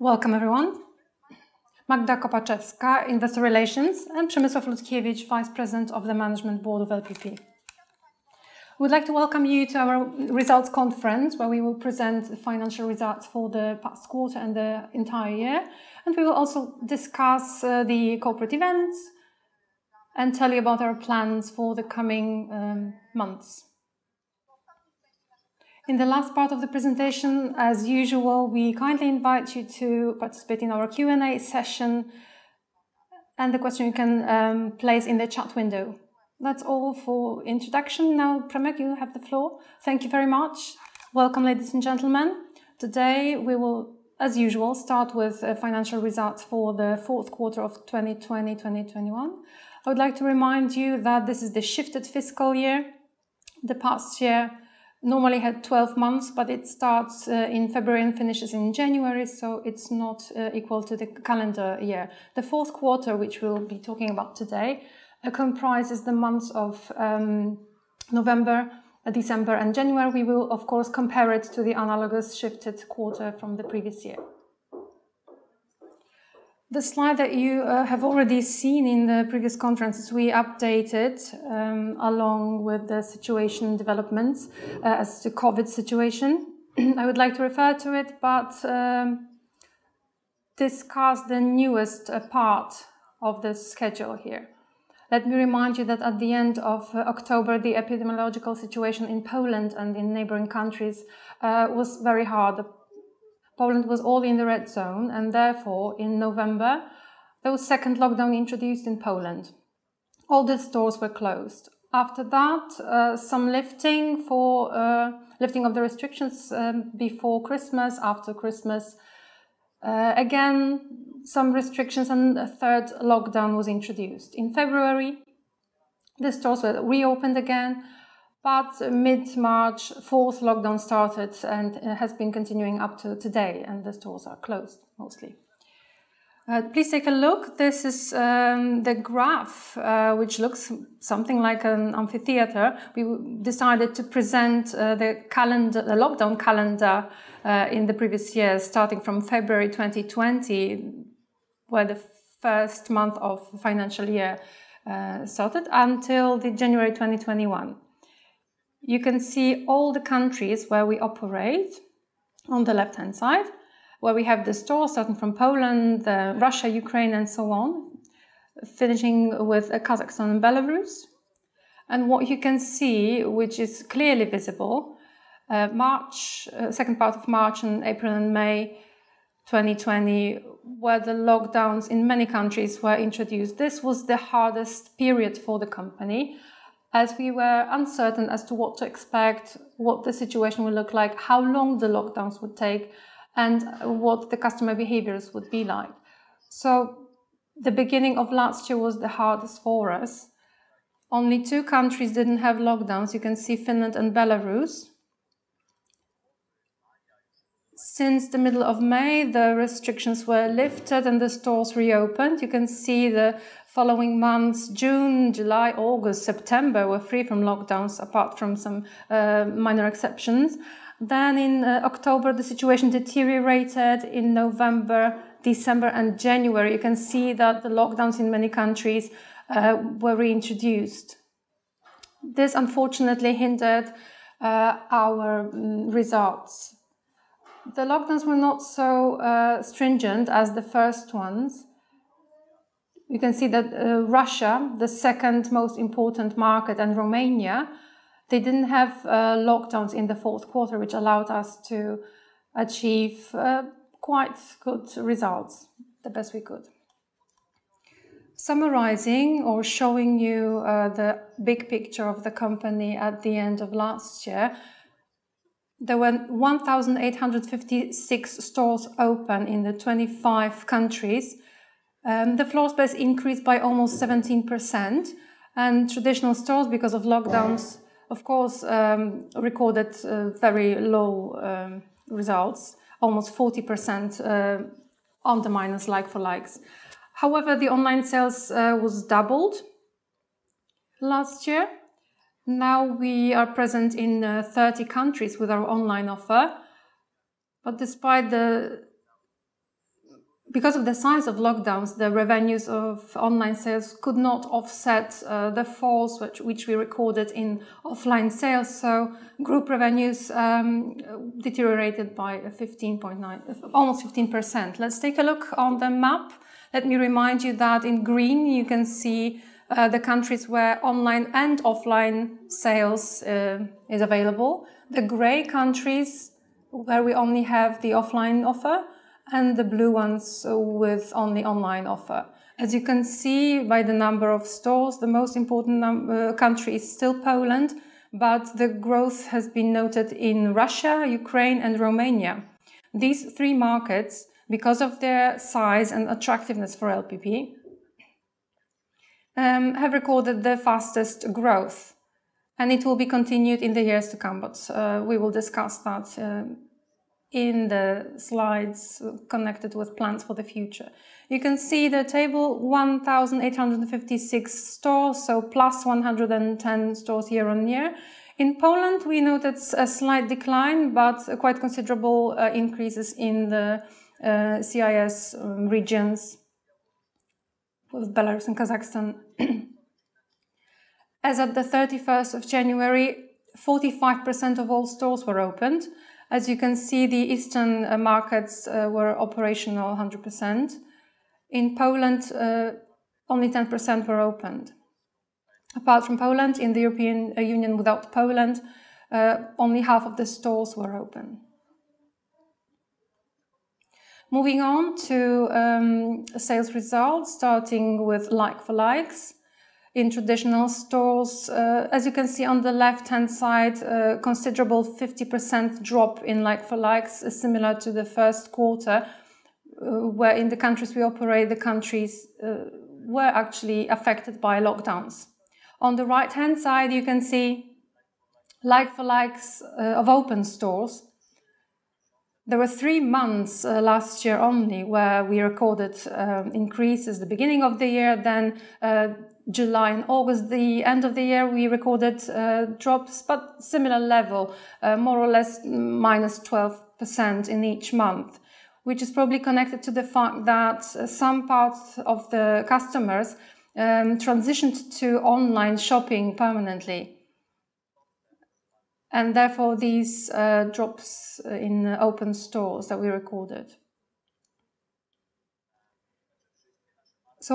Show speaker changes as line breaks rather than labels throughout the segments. Welcome, everyone. Magda Kopaczewska, Investor Relations, and Przemysław Lutkiewicz, Vice President of the Management Board of LPP. We'd like to welcome you to our results conference, where we will present financial results for the past quarter and the entire year. We will also discuss the corporate events and tell you about our plans for the coming months. In the last part of the presentation, as usual, we kindly invite you to participate in our Q&A session, and you can place your question in the chat window. That's all for the introduction. Now, Przemysław, you have the floor.
Thank you very much. Welcome, ladies and gentlemen. Today we will, as usual, start with financial results for the fourth quarter of 2020-2021. I would like to remind you that this is the shifted fiscal year. The past year normally had 12 months, but it starts in February and finishes in January, so it's not equal to the calendar year. The fourth quarter, which we'll be talking about today, comprises the months of November, December, and January. We will, of course, compare it to the analogous shifted quarter from the previous year. The slide that you have already seen in the previous conferences, we updated along with the situation developments as to COVID situation. I would like to refer to it but discuss the newest part of the schedule here. Let me remind you that at the end of October, the epidemiological situation in Poland and in neighboring countries was very hard. Poland was all in the red zone, and therefore, in November, there was a second lockdown introduced in Poland. All the stores were closed. After that, some lifting of the restrictions was before Christmas, after Christmas. Again, some restrictions and a third lockdown were introduced. In February, the stores were reopened again. Mid-March, the fourth lockdown started. It has been continuing up to today. The stores are closed mostly. Please take a look. This is the graph, which looks something like an amphitheater. We decided to present the lockdown calendar in the previous year, starting from February 2020, when the first month of the financial year started, until January 2021. You can see all the countries where we operate on the left-hand side, where we have the stores starting from Poland, Russia, Ukraine, and so on, finishing with Kazakhstan and Belarus. What you can see, which is clearly visible, is the second part of March and April and May 2020, when the lockdowns were introduced in many countries. This was the hardest period for the company, as we were uncertain as to what to expect, what the situation would look like, how long the lockdowns would take, and what the customer behaviors would be like. The beginning of last year was the hardest for us. Only two countries didn't have lockdowns. You can see Finland and Belarus. Since the middle of May, the restrictions were lifted, and the stores reopened. You can see the following months, June, July, August, and September, were free from lockdowns apart from some minor exceptions. In October, the situation deteriorated. In November, December, and January, you can see that the lockdowns in many countries were reintroduced. This, unfortunately, hindered our results. The lockdowns were not so stringent as the first ones. You can see that Russia, the second most important market, and Romania didn't have lockdowns in the fourth quarter, which allowed us to achieve quite good results, the best we could. Summarizing or showing you the big picture of the company at the end of last year, there were 1,856 stores open in the 25 countries. Traditional stores, because of lockdowns, of course, recorded very low results, almost 40% on the minus, like-for-like. The floor space increased by almost 17%. The online sales doubled last year. Now we are present in 30 countries with our online offer. Because of the size of lockdowns, the revenues of online sales could not offset the falls that we recorded in offline sales. Group revenues deteriorated by almost 15%. Let's take a look at the map. Let me remind you that in green, you can see the countries where online and offline sales are available. The gray countries, where we only have the offline offer, and the blue ones with only the online offer. As you can see by the number of stores, the most important country is still Poland, but the growth has been noted in Russia, Ukraine, and Romania. These three markets, because of their size and attractiveness for LPP, have recorded the fastest growth, and it will be continued in the years to come, but we will discuss that in the slides connected with plans for the future. You can see the table of 1,856 stores, so plus 110 stores year-on-year. In Poland, we noted a slight decline but quite considerable increases in the CIS regions with Belarus and Kazakhstan. As of the 31st of January, 45% of all stores were opened. As you can see, the eastern markets were operational 100%. In Poland, only 10% were opened. Apart from Poland, in the European Union, without Poland, only half of the stores were open. Moving on to sales results, starting with like-for-likes in traditional stores. As you can see on the left-hand side, there was a considerable 50% drop in like-for-likes, similar to the first quarter, wherein the countries we operate in were actually affected by lockdowns. On the right-hand side, you can see like-for-likes of open stores. There were three months last year only where we recorded increases. The beginning of the year, then July and August. The end of the year, we recorded drops, but at a similar level, more or less -12% in each month, which is probably connected to the fact that some parts of the customers transitioned to online shopping permanently and, therefore, these drops in open stores that we recorded.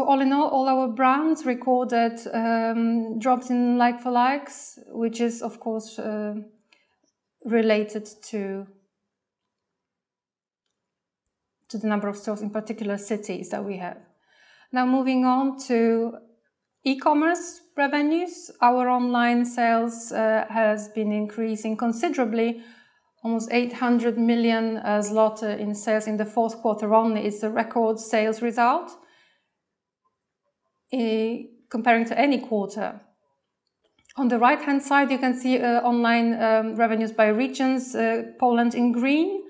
All in all our brands recorded drops in like-for-likes, which is, of course, related to the number of stores in particular cities that we have. Moving on to e-commerce revenues. Our online sales have been increasing considerably. Almost 800 million zloty in sales in the fourth quarter only is the record sales result compared to any other quarter. On the right-hand side, you can see online revenues by regions. Poland is in the green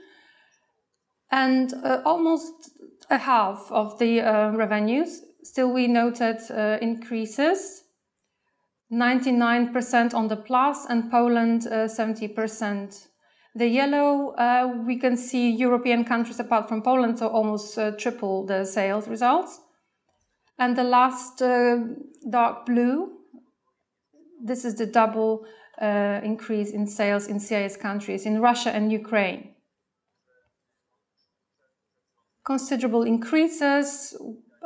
and almost a half of the revenues. We noted increases of 99%+, and Poland, 70%. The yellow, we can see European countries apart from Poland, so almost triple the sales results. The last, dark blue, is the double increase in sales in CIS countries, in Russia and Ukraine. Considerable increases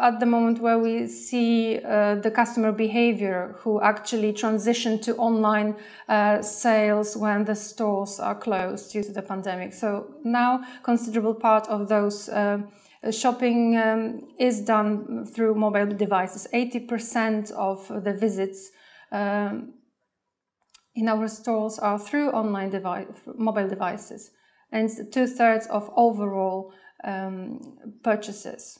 at the moment where we see the customer behavior of those who actually transition to online sales when the stores are closed due to the pandemic. Now, a considerable part of that shopping is done through mobile devices. 80% of the visits in our stores are through mobile devices, and two-thirds of overall purchases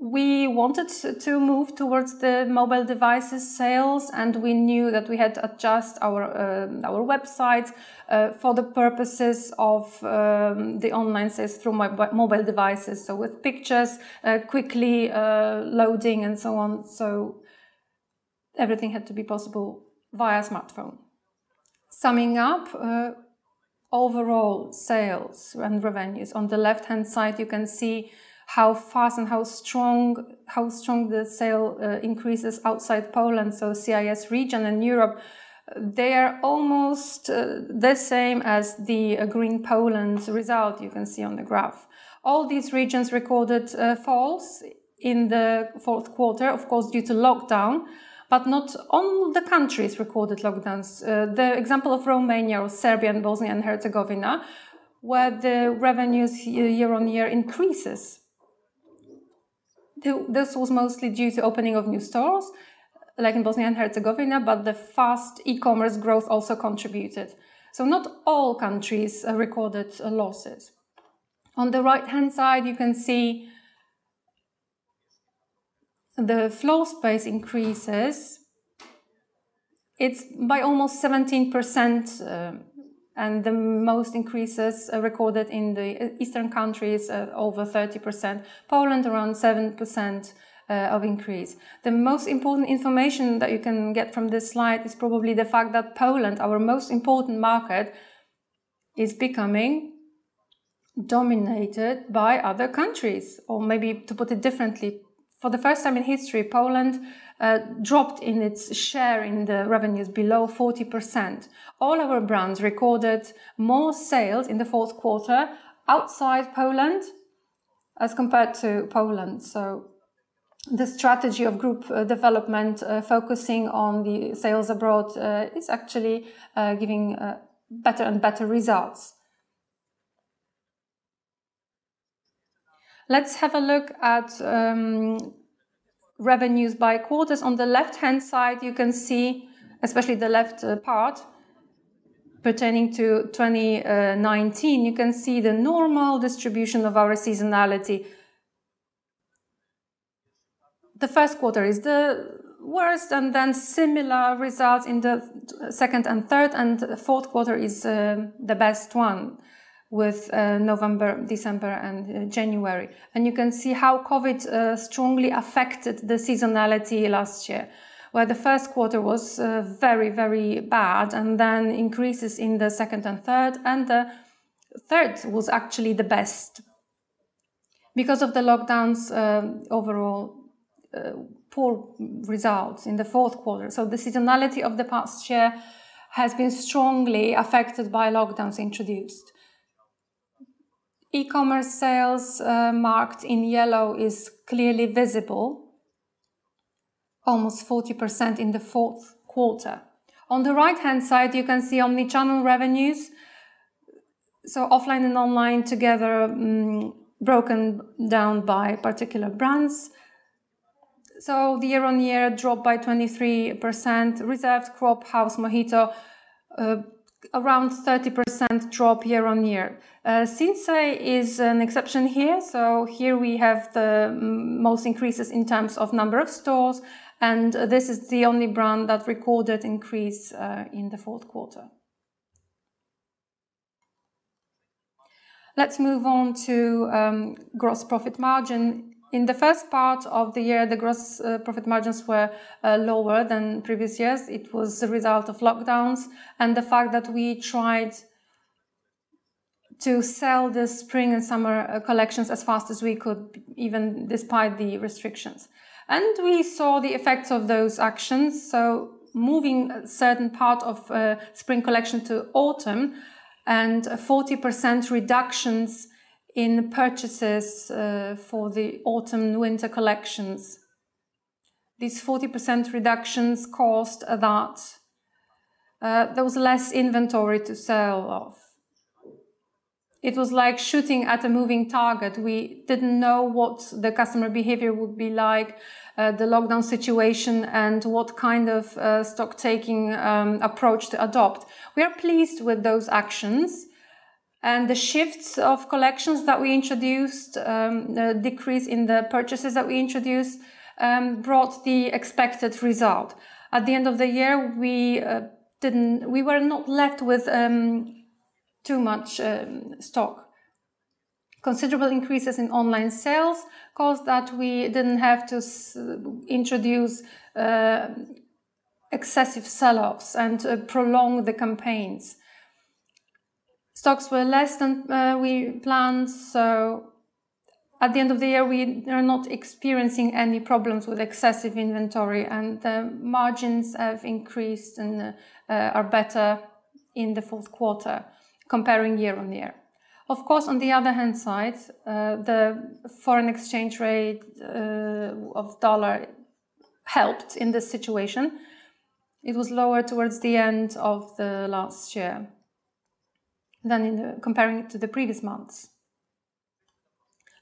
are. We wanted to move towards the mobile device sales, and we knew that we had to adjust our website for the purposes of the online sales through mobile devices. With pictures, quickly loading, and so on. Everything had to be possible via smartphone. Summing up, overall sales and revenues. On the left-hand side, you can see how fast and how strong the sale increases outside Poland, so CIS region and Europe. They are almost the same as the green Poland result you can see on the graph. All these regions recorded falls in the fourth quarter, of course, due to lockdown. Not all the countries recorded lockdowns. The example of Romania or Serbia and Bosnia and Herzegovina, where the revenues increase year-over-year. This was mostly due to the opening of new stores, like in Bosnia and Herzegovina. The fast e-commerce growth also contributed. Not all countries recorded losses. On the right-hand side, you can see the floor space increases. It's by almost 17%. The most increases are recorded in the eastern countries at over 30%, with Poland around a 7% increase. The most important information that you can get from this slide is probably the fact that Poland, our most important market, is becoming dominated by other countries. Maybe to put it differently, for the first time in history, Poland dropped its share in the revenues below 40%. All our brands recorded more sales in the fourth quarter outside Poland as compared to Poland. The strategy of group development focusing on sales abroad is actually giving better and better results. Let's have a look at revenues by quarters. On the left-hand side, you can see, especially in the left part pertaining to 2019, the normal distribution of our seasonality. The first quarter is the worst, and then similar results in the second and third, and the fourth quarter is the best one with November, December, and January. You can see how COVID strongly affected the seasonality last year, where the first quarter was very, very bad, and then there were increases in the second and third, and the third was actually the best because of the lockdowns and overall poor results in the fourth quarter. The seasonality of the past year has been strongly affected by lockdowns introduced. E-commerce sales marked in yellow is clearly visible, almost 40% in the fourth quarter. On the right-hand side, you can see omnichannel revenues, so offline and online together broken down by particular brands. The year-on-year drop was 23%. Reserved, Cropp, and Mohito had around a 30% drop year-on-year. Sinsay is an exception here. Here we have the most increases in terms of number of stores, and this is the only brand that recorded an increase in the fourth quarter. Let's move on to gross profit margin. In the first part of the year, the gross profit margins were lower than previous years. It was a result of lockdowns and the fact that we tried to sell the Spring and Summer collections as fast as we could, even despite the restrictions. We saw the effects of those actions, so moving a certain part of the spring collection to autumn and 40% reductions in purchases for the Autumn/Winter collections. These 40% reductions caused there to be less inventory to sell off. It was like shooting at a moving target. We didn't know what the customer behavior would be like, the lockdown situation, and what kind of stock-taking approach to adopt. We are pleased with those actions, and the shifts of collections that we introduced and the decrease in the purchases that we introduced brought the expected result. At the end of the year, we were not left with too much stock. Considerable increases in online sales caused us to not have to introduce excessive sell-offs and prolong the campaigns. Stocks were lower than we planned, so at the end of the year, we are not experiencing any problems with excessive inventory, and the margins have increased and are better in the fourth quarter, comparing year-on-year. Of course, on the other hand, the foreign exchange rate of US dollar helped in this situation. It was lower towards the end of last year than compared to the previous months.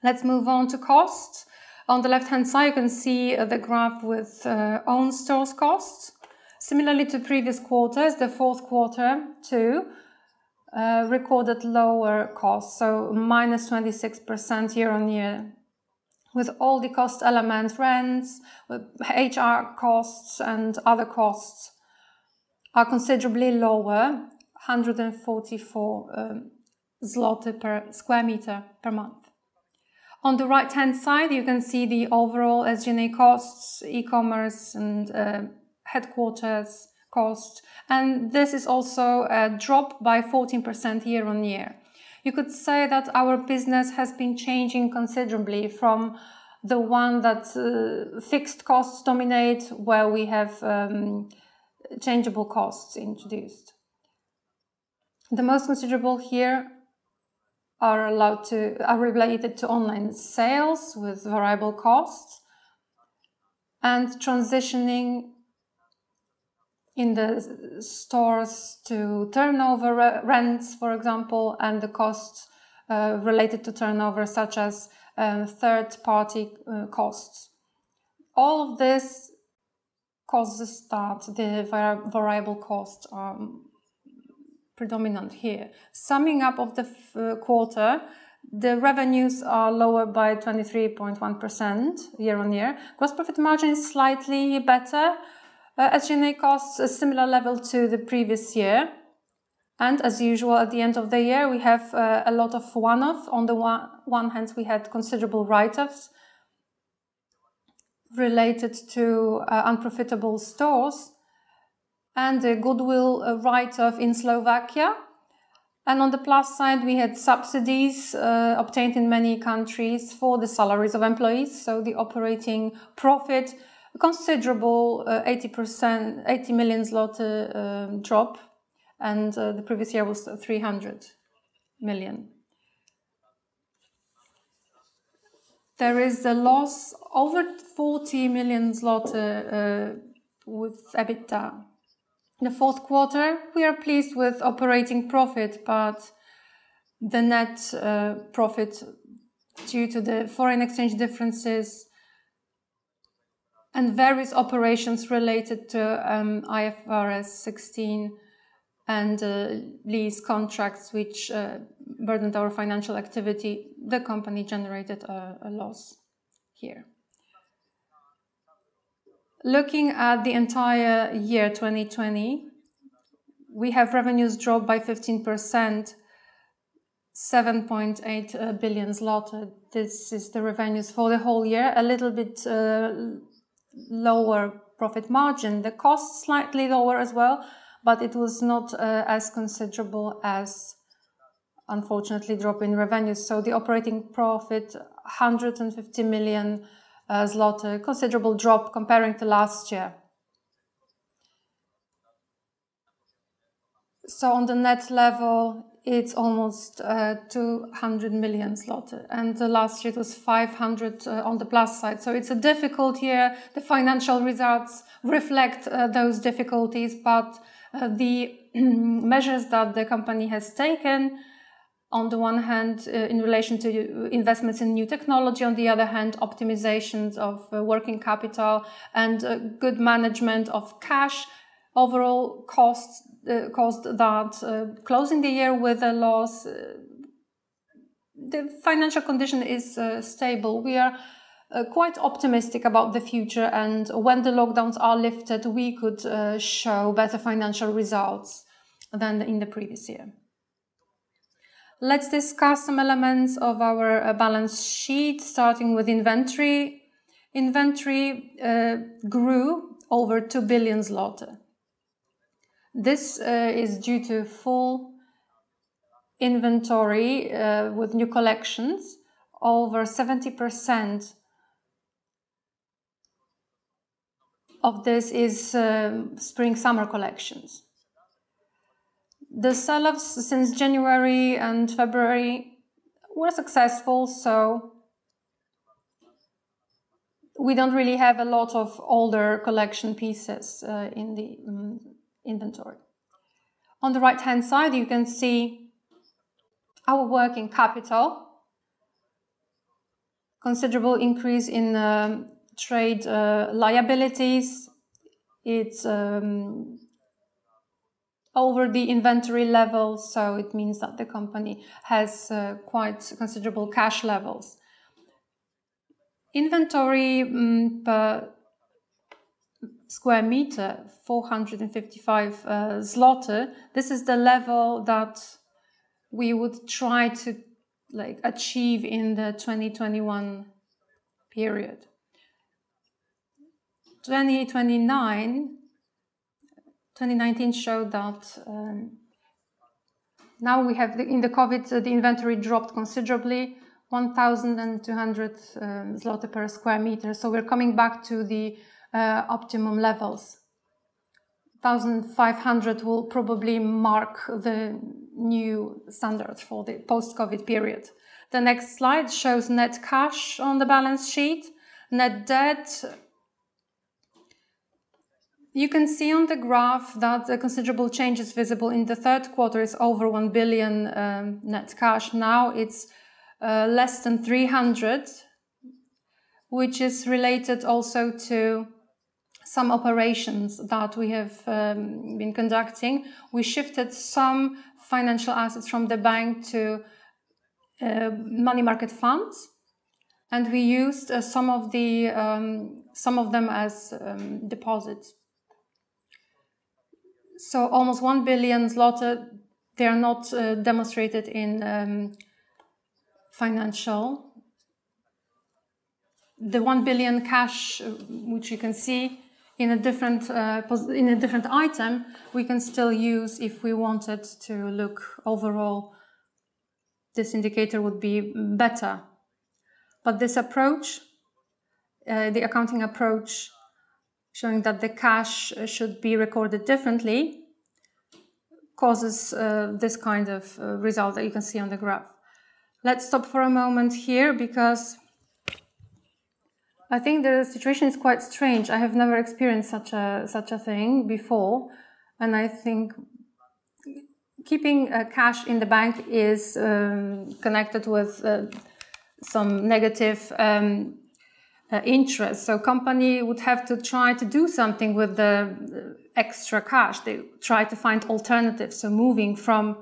Let's move on to cost. On the left-hand side, you can see the graph with your own stores' costs. Similarly to previous quarters, the fourth quarter, too, recorded lower costs, so -26% year-on-year. With all the cost elements, rents, HR costs, and other costs are considerably lower, 144 zloty per square meter per month. On the right-hand side, you can see the overall SG&A costs, e-commerce, and headquarters costs; this is also a drop by 14% year-on-year. You could say that our business has been changing considerably from the one that fixed costs dominate, where we have changeable costs introduced. The most considerable here are related to online sales with variable costs and transitioning in the stores to turnover rents, for example, and the costs related to turnover, such as third-party costs. All of this causes the variable costs to be predominant here. Summing up the quarter, the revenues are lower by 23.1% year-on-year. Gross profit margin is slightly better. SG&A costs are a similar level to the previous year. As usual, at the end of the year, we have a lot of one-offs. On the one hand, we had considerable write-offs related to unprofitable stores and a goodwill write-off in Slovakia. On the plus side, we had subsidies obtained in many countries for the salaries of employees. The operating profit, a considerable 80 million zloty drop, and the previous year's was 300 million. There is a loss over 40 million zloty with EBITDA. In the fourth quarter, we are pleased with operating profit and net profit, due to the foreign exchange differences and various operations related to IFRS 16 and lease contracts, which burdened our financial activity, the company generated a loss here. Looking at the entire year 2020, we have revenues drop by 15%, or 7.8 billion zloty. These are the revenues for the whole year, with a little bit lower profit margin. The cost was slightly lower as well; it was not as considerable as the unfortunate drop in revenues. The operating profit, 150 million zloty, is a considerable drop compared to last year. On the net level, it's almost 200 million zlotys, and last year it was 500 on the plus side. It's a difficult year. The financial results reflect those difficulties, the measures that the company has taken, on the one hand, in relation to investments in new technology and, on the other hand, optimizations of working capital and good management of cash, overall caused closing the year with a loss. The financial condition is stable. We are quite optimistic about the future, and when the lockdowns are lifted, we could show better financial results than in the previous year. Let's discuss some elements of our balance sheet, starting with inventory. Inventory grew over 2 billion zloty. This is due to full inventory with new collections. Over 70% of this is spring/summer collections. The sell-offs since January and February were successful, so we don't really have a lot of older collection pieces in the inventory. On the right-hand side, you can see our working capital. Considerable increase in trade liabilities. It's over the inventory level, so it means that the company has quite considerable cash levels. Inventory per sq m, 455 zloty. This is the level that we would try to achieve in the 2021 period. 2019 showed that now we have COVID, and the inventory dropped considerably, to 1,200 zloty per sq m. We're coming back to the optimum levels. 1,500 will probably mark the new standard for the post-COVID period. The next slide shows net cash on the balance sheet. Net debt. You can see on the graph that a considerable change is visible in the third quarter, over 1 billion net cash. Now it's less than 300, which is related also to some operations that we have been conducting. We shifted some financial assets from the bank to money market funds, and we used some of them as deposits. Almost 1 billion, they are not demonstrated financially. The 1 billion cash, which you can see in a different item, we can still use if we wanted to look overall, this indicator would be better. This approach, the accounting approach showing that the cash should be recorded differently, causes this kind of result that you can see on the graph. Let's stop for a moment here because I think the situation is quite strange. I have never experienced such a thing before. I think keeping cash in the bank is connected with some negative interest. Company would have to try to do something with the extra cash. They try to find alternatives, moving from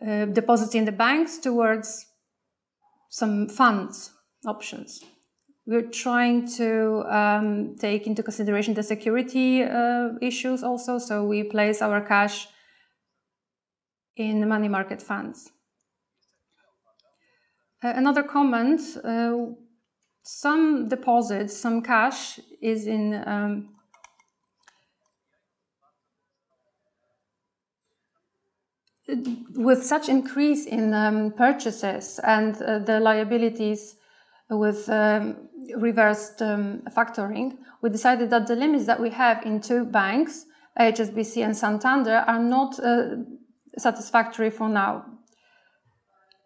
deposits in the banks towards some fund options. We're trying to take into consideration the security issues also. We place our cash in money market funds. Another comment: some deposits, some cash are in. With such an increase in purchases and the liabilities with reverse factoring, we decided that the limits that we have in two banks, HSBC and Santander, are not satisfactory for now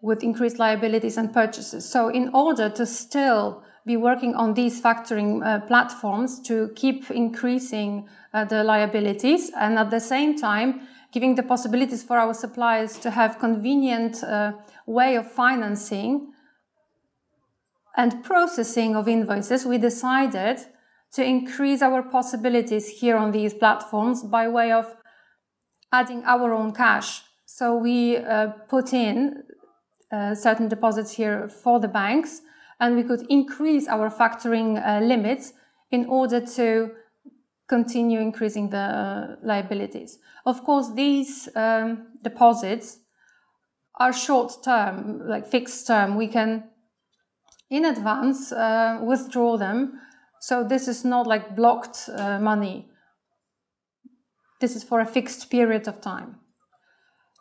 with increased liabilities and purchases. In order to still be working on these factoring platforms to keep increasing the liabilities and at the same time give the possibilities for our suppliers to have a convenient way of financing and processing invoices, we decided to increase our possibilities here on these platforms by way of adding our own cash. We put in certain deposits here for the banks, and we could increase our factoring limits in order to continue increasing the liabilities. Of course, these deposits are short-term, like fixed-term. We can, in advance, withdraw them, so this is not blocked money. This is for a fixed period of time.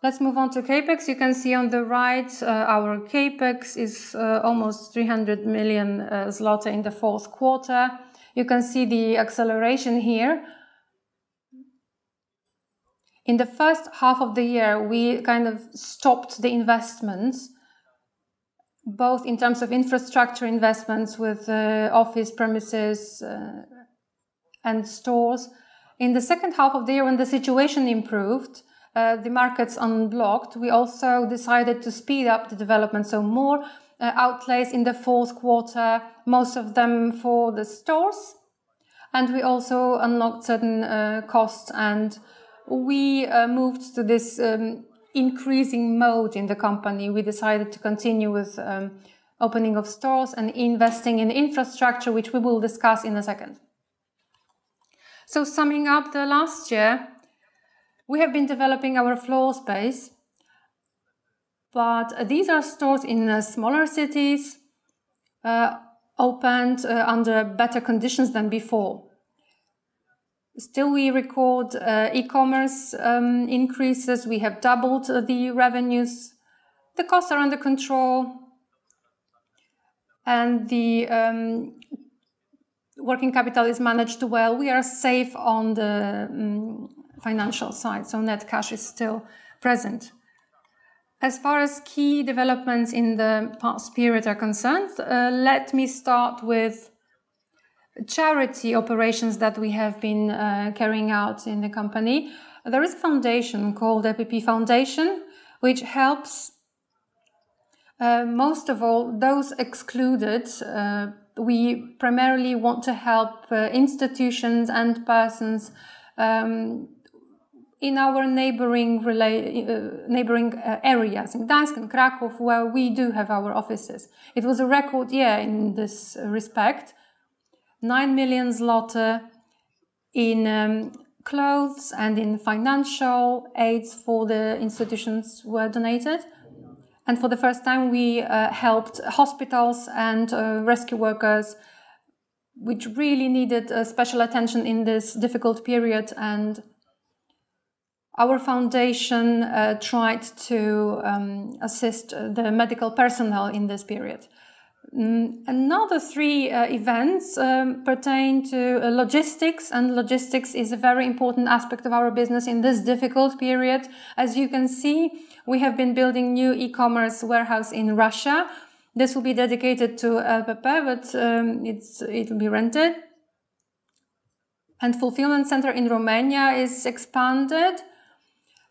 Let's move on to CapEx. You can see on the right our CapEx is almost 300 million zloty in the fourth quarter. You can see the acceleration here. In the first half of the year, we stopped the investments in terms of both infrastructure investments with office premises and stores. In the second half of the year, when the situation improved and the markets unblocked, we also decided to speed up the development, with more outlays in the fourth quarter, most of them for the stores. We also unlocked certain costs, and we moved to this increasing mode in the company. We decided to continue with the opening of stores and investing in infrastructure, which we will discuss in a second. Summing up the last year, we have been developing our floor space. These are stores in smaller cities, opened under better conditions than before. Still, we record e-commerce increases. We have doubled the revenues. The costs are under control, and the working capital is managed well. We are safe on the financial side, so net cash is still present. As far as key developments in the past period are concerned, let me start with charity operations that we have been carrying out in the company. There is a foundation called LPP Foundation, which helps most of all those excluded. We primarily want to help institutions and persons in our neighboring areas, in Gdańsk and Kraków, where we do have our offices. It was a record year in this respect. 9 million zloty in clothes and in financial aid for the institutions were donated. For the first time, we helped hospitals and rescue workers, which really needed special attention in this difficult period, and our foundation tried to assist the medical personnel in this period. Another three events pertain to logistics, and logistics is a very important aspect of our business in this difficult period. As you can see, we have been building a new e-commerce warehouse in Russia. This will be dedicated to LPP, but it'll be rented. Fulfillment center in Romania is expanded.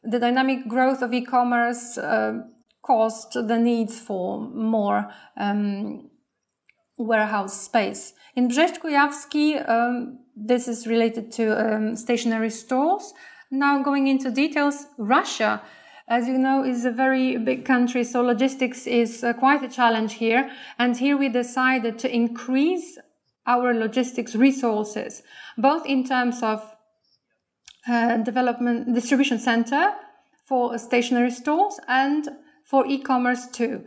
The dynamic growth of e-commerce caused the needs for more warehouse space. In Brześć Kujawski, this is related to stationary stores. Now going into details, Russia, as you know, is a very big country, so logistics is quite a challenge here. Here we decided to increase our logistics resources, both in terms of developing distribution centers for stationary stores and for e-commerce too.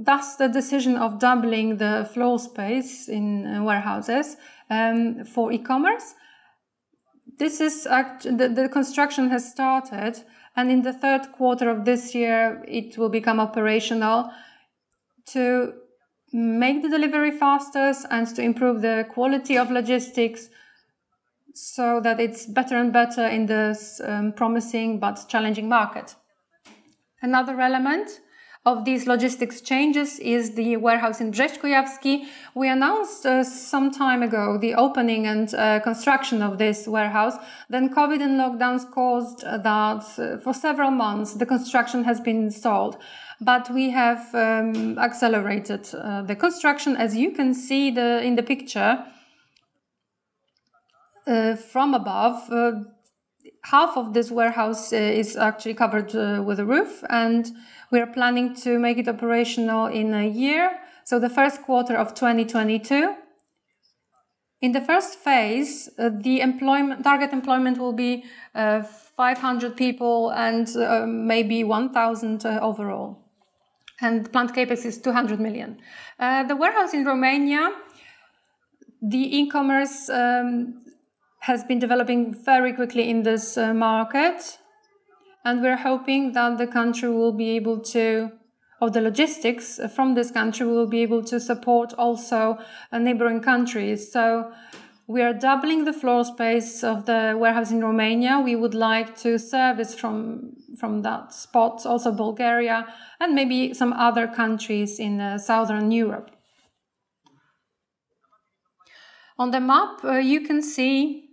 Thus, the decision of doubling the floor space in warehouses for e-commerce. The construction has started, and in the third quarter of this year, it will become operational to make the delivery faster and to improve the quality of logistics so that it's better and better in this promising but challenging market. Another element of these logistics changes is the warehouse in Brześć Kujawski. We announced some time ago the opening and construction of this warehouse. COVID and lockdowns caused it so that for several months the construction has been stalled. We have accelerated the construction. As you can see in the picture from above, half of this warehouse is actually covered with a roof, and we're planning to make it operational in a year, so the first quarter of 2022. In the first phase, the target employment will be 500 people and maybe 1,000 overall. Planned CapEx is 200 million. The warehouse in Romania, the e-commerce has been developing very quickly in this market. We're hoping that the logistics from this country will be able to support also neighboring countries. We are doubling the floor space of the warehouse in Romania. We would like to service from that spot also Bulgaria and maybe some other countries in Southern Europe. On the map, you can see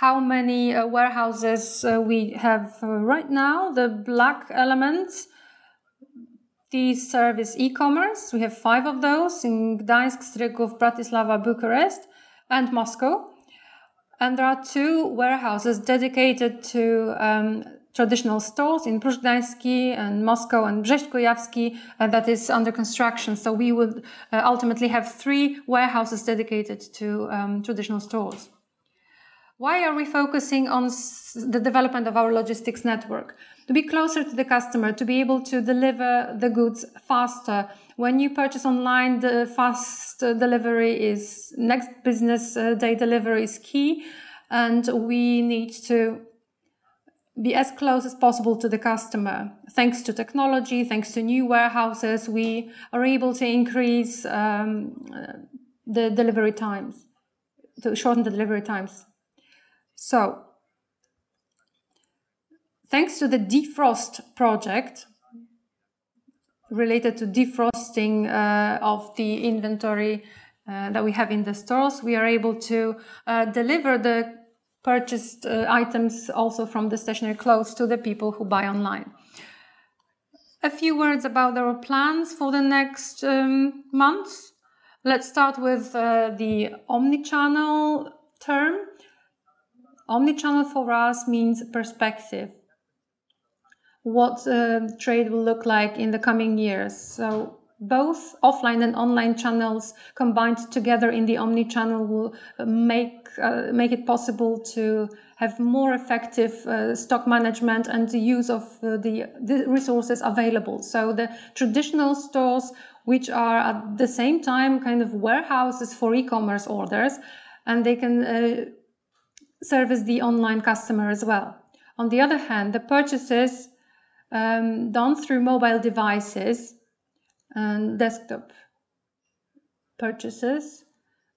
how many warehouses we have right now. The black elements serve as e-commerce. We have five of those in Gdańsk, Stryków, Bratislava, Bucharest, and Moscow. There are two warehouses dedicated to traditional stores in Pruszcz Gdański and Moscow and Brześć Kujawski, which is under construction. We will ultimately have three warehouses dedicated to traditional stores. Why are we focusing on the development of our logistics network? To be closer to the customer, to be able to deliver the goods faster. When you purchase online, the next-business-day delivery is key, and we need to be as close as possible to the customer. Thanks to technology and thanks to new warehouses, we are able to shorten the delivery times. Thanks to the defrost project related to the defrosting of the inventory that we have in the stores, we are able to deliver the purchased items also from the stationaries close to the people who buy online. A few words about our plans for the next months. Let's start with the omnichannel term. Omnichannel for us means perspective. What trade will look like in the coming years. Both offline and online channels combined together in the omnichannel will make it possible to have more effective stock management and the use of the resources available. The traditional stores, which are at the same time kind of warehouses for e-commerce orders, can service the online customer as well. On the other hand, for the purchases done through mobile devices and desktop purchases,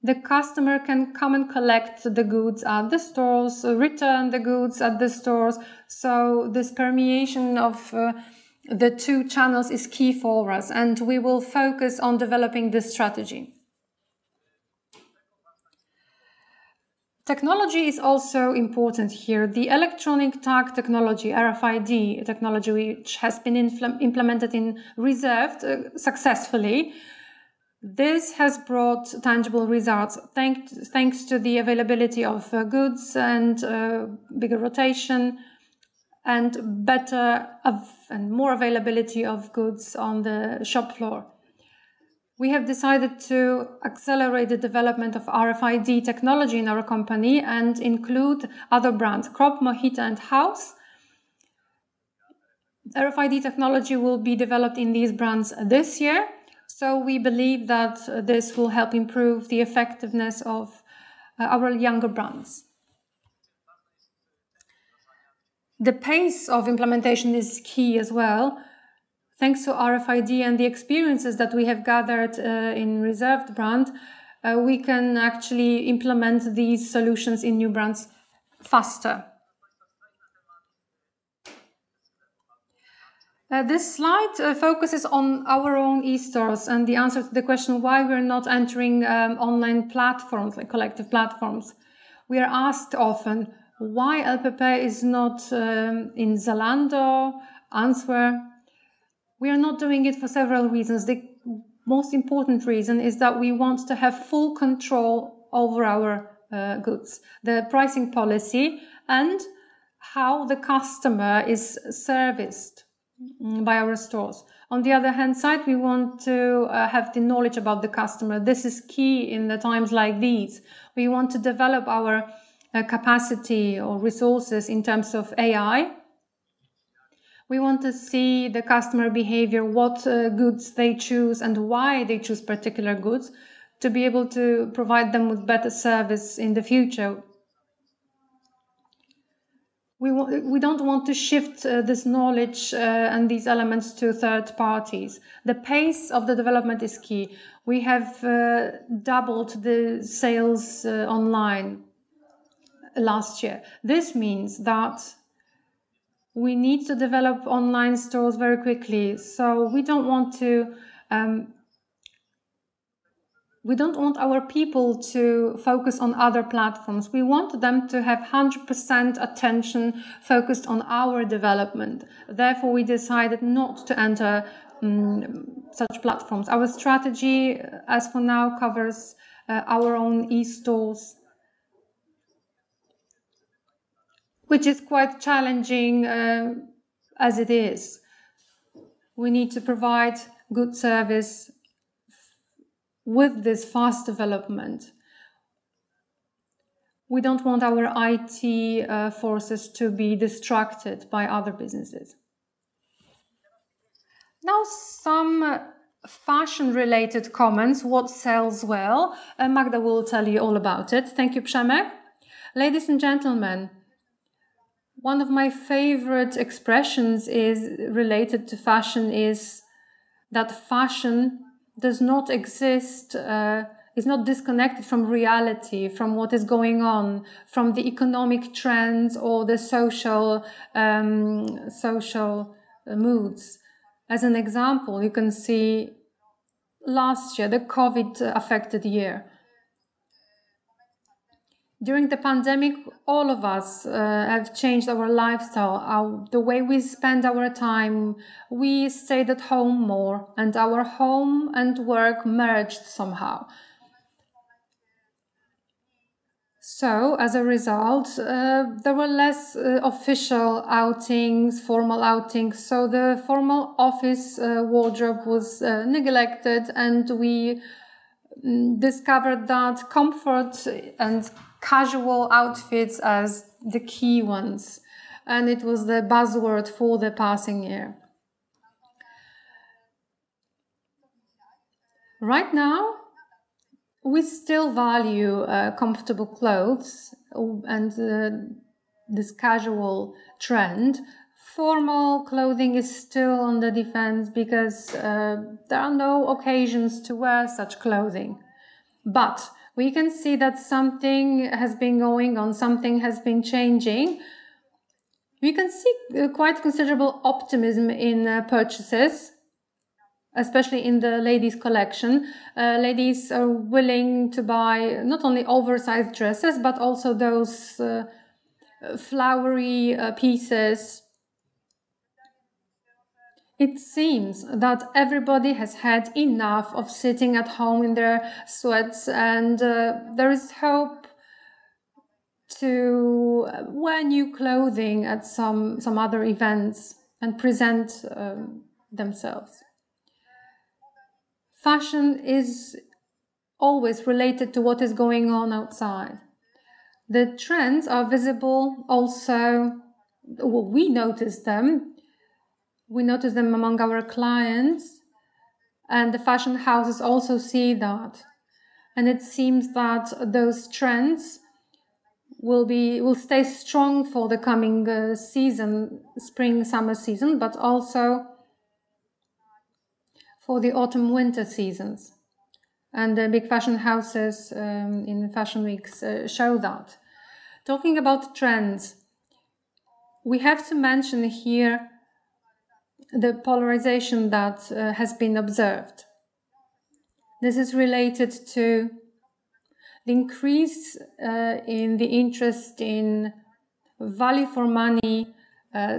the customer can come and collect the goods at the stores or return the goods at the stores. This permeation of the two channels is key for us, and we will focus on developing this strategy. Technology is also important here. The electronic tag technology, RFID technology, has been implemented in Reserved successfully. This has brought tangible results, thanks to the availability of goods and bigger rotation and more availability of goods on the shop floor. We have decided to accelerate the development of RFID technology in our company and include other brands, Cropp, Mohito, and House. RFID technology will be developed in these brands this year. We believe that this will help improve the effectiveness of our younger brands. The pace of implementation is key as well. Thanks to RFID and the experiences that we have gathered in the Reserved brand, we can actually implement these solutions in new brands faster. This slide focuses on our own e-stores and the answer to the question of why we're not entering online platforms, like collective platforms. We are asked often why LPP is not in Zalando, Answear. We are not doing it for several reasons. The most important reason is that we want to have full control over our goods, the pricing policy, and how the customer is serviced by our stores. On the other hand, we want to have knowledge about the customer. This is key in the times like these. We want to develop our capacity or resources in terms of AI. We want to see the customer behavior, what goods they choose, and why they choose particular goods to be able to provide them with better service in the future. We don't want to shift this knowledge and these elements to third parties. The pace of the development is key. We doubled the sales online last year. This means that we need to develop online stores very quickly. We don't want our people to focus on other platforms. We want them to have 100% attention focused on our development. Therefore, we decided not to enter such platforms. Our strategy, as for now, covers our own e-stores, which is quite challenging as it is. We need to provide good service with this fast development. We don't want our IT forces to be distracted by other businesses. Now, some fashion-related comments: what sells well. Magda will tell you all about it.
Thank you, Przemysław. Ladies and gentlemen, one of my favorite expressions related to fashion is that fashion is not disconnected from reality, from what is going on, from the economic trends or the social moods. As an example, you can see last year, the COVID-affected year. During the pandemic, all of us have changed our lifestyle, the way we spend our time. We stayed at home more, and our home and work merged somehow. As a result, there were fewer official outings and formal outings, so the formal office wardrobe was neglected, and we discovered that comfort and casual outfits were the key ones, and it was the buzzword for the past year. Right now, we still value comfortable clothes and this casual trend. Formal clothing is still on the defensive because there are no occasions to wear such clothing. We can see that something has been going on, something has been changing. We can see quite considerable optimism in purchases, especially in the ladies' collection. Ladies are willing to buy not only oversized dresses but also those flowery pieces. It seems that everybody has had enough of sitting at home in their sweats, and there is hope to wear new clothing at some other events and present themselves. Fashion is always related to what is going on outside. The trends are visible also. We notice them. We notice them among our clients, and the fashion houses also see that, and it seems that those trends will stay strong for the coming spring-summer season but also for the autumn-winter seasons. The big fashion houses in fashion weeks show that. Talking about trends, we have to mention here the polarization that has been observed. This is related to the increase in interest in value-for-money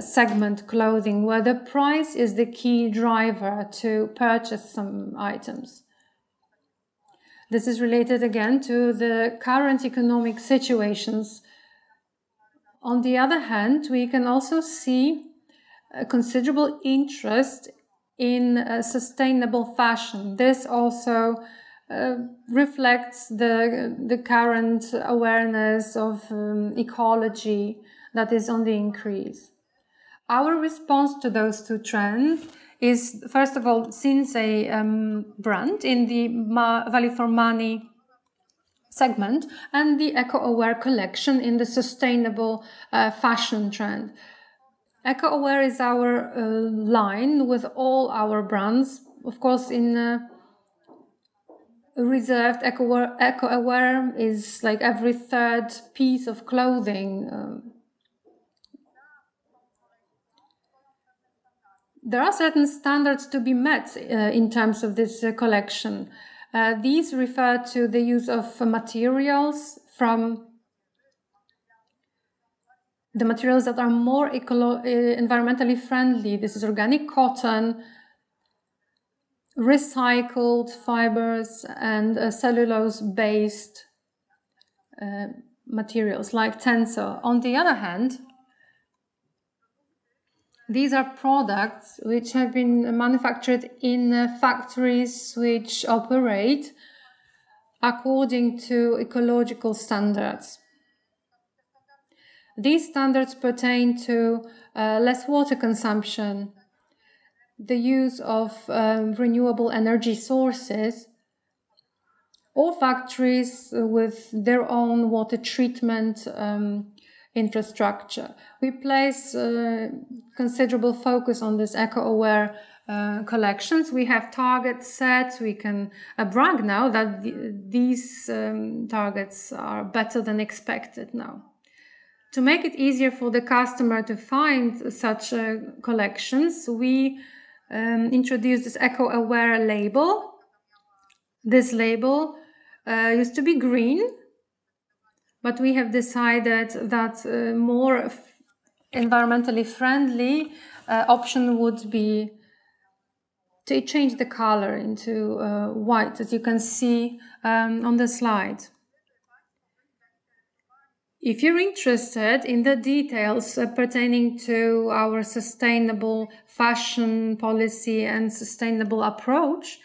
segment clothing, where the price is the key driver to purchase some items. This is related, again, to the current economic situations. On the other hand, we can also see a considerable interest in sustainable fashion. This also reflects the current awareness of ecology that is on the increase. Our response to those two trends is, first of all, the Sinsay brand in the value-for-money segment and the Eco Aware collection in the sustainable fashion trend. Eco Aware is our line with all our brands. Of course, in Reserved, Eco Aware is every third piece of clothing. There are certain standards to be met in terms of this collection. These refer to the use of the materials that are more environmentally friendly. This is organic cotton, recycled fibers, and cellulose-based materials like Tencel. On the other hand, these are products that have been manufactured in factories that operate according to ecological standards. These standards pertain to less water consumption, the use of renewable energy sources, or factories with their own water treatment infrastructure. We place considerable focus on these Eco Aware Collections. We have targets set. We can brag now that these targets are better than expected now. To make it easier for the customer to find such collections, we introduced this Eco Aware label. This label used to be green, but we have decided that a more environmentally friendly option would be to change the color into white, as you can see on the slide. If you're interested in the details pertaining to our sustainable fashion policy and sustainable approach,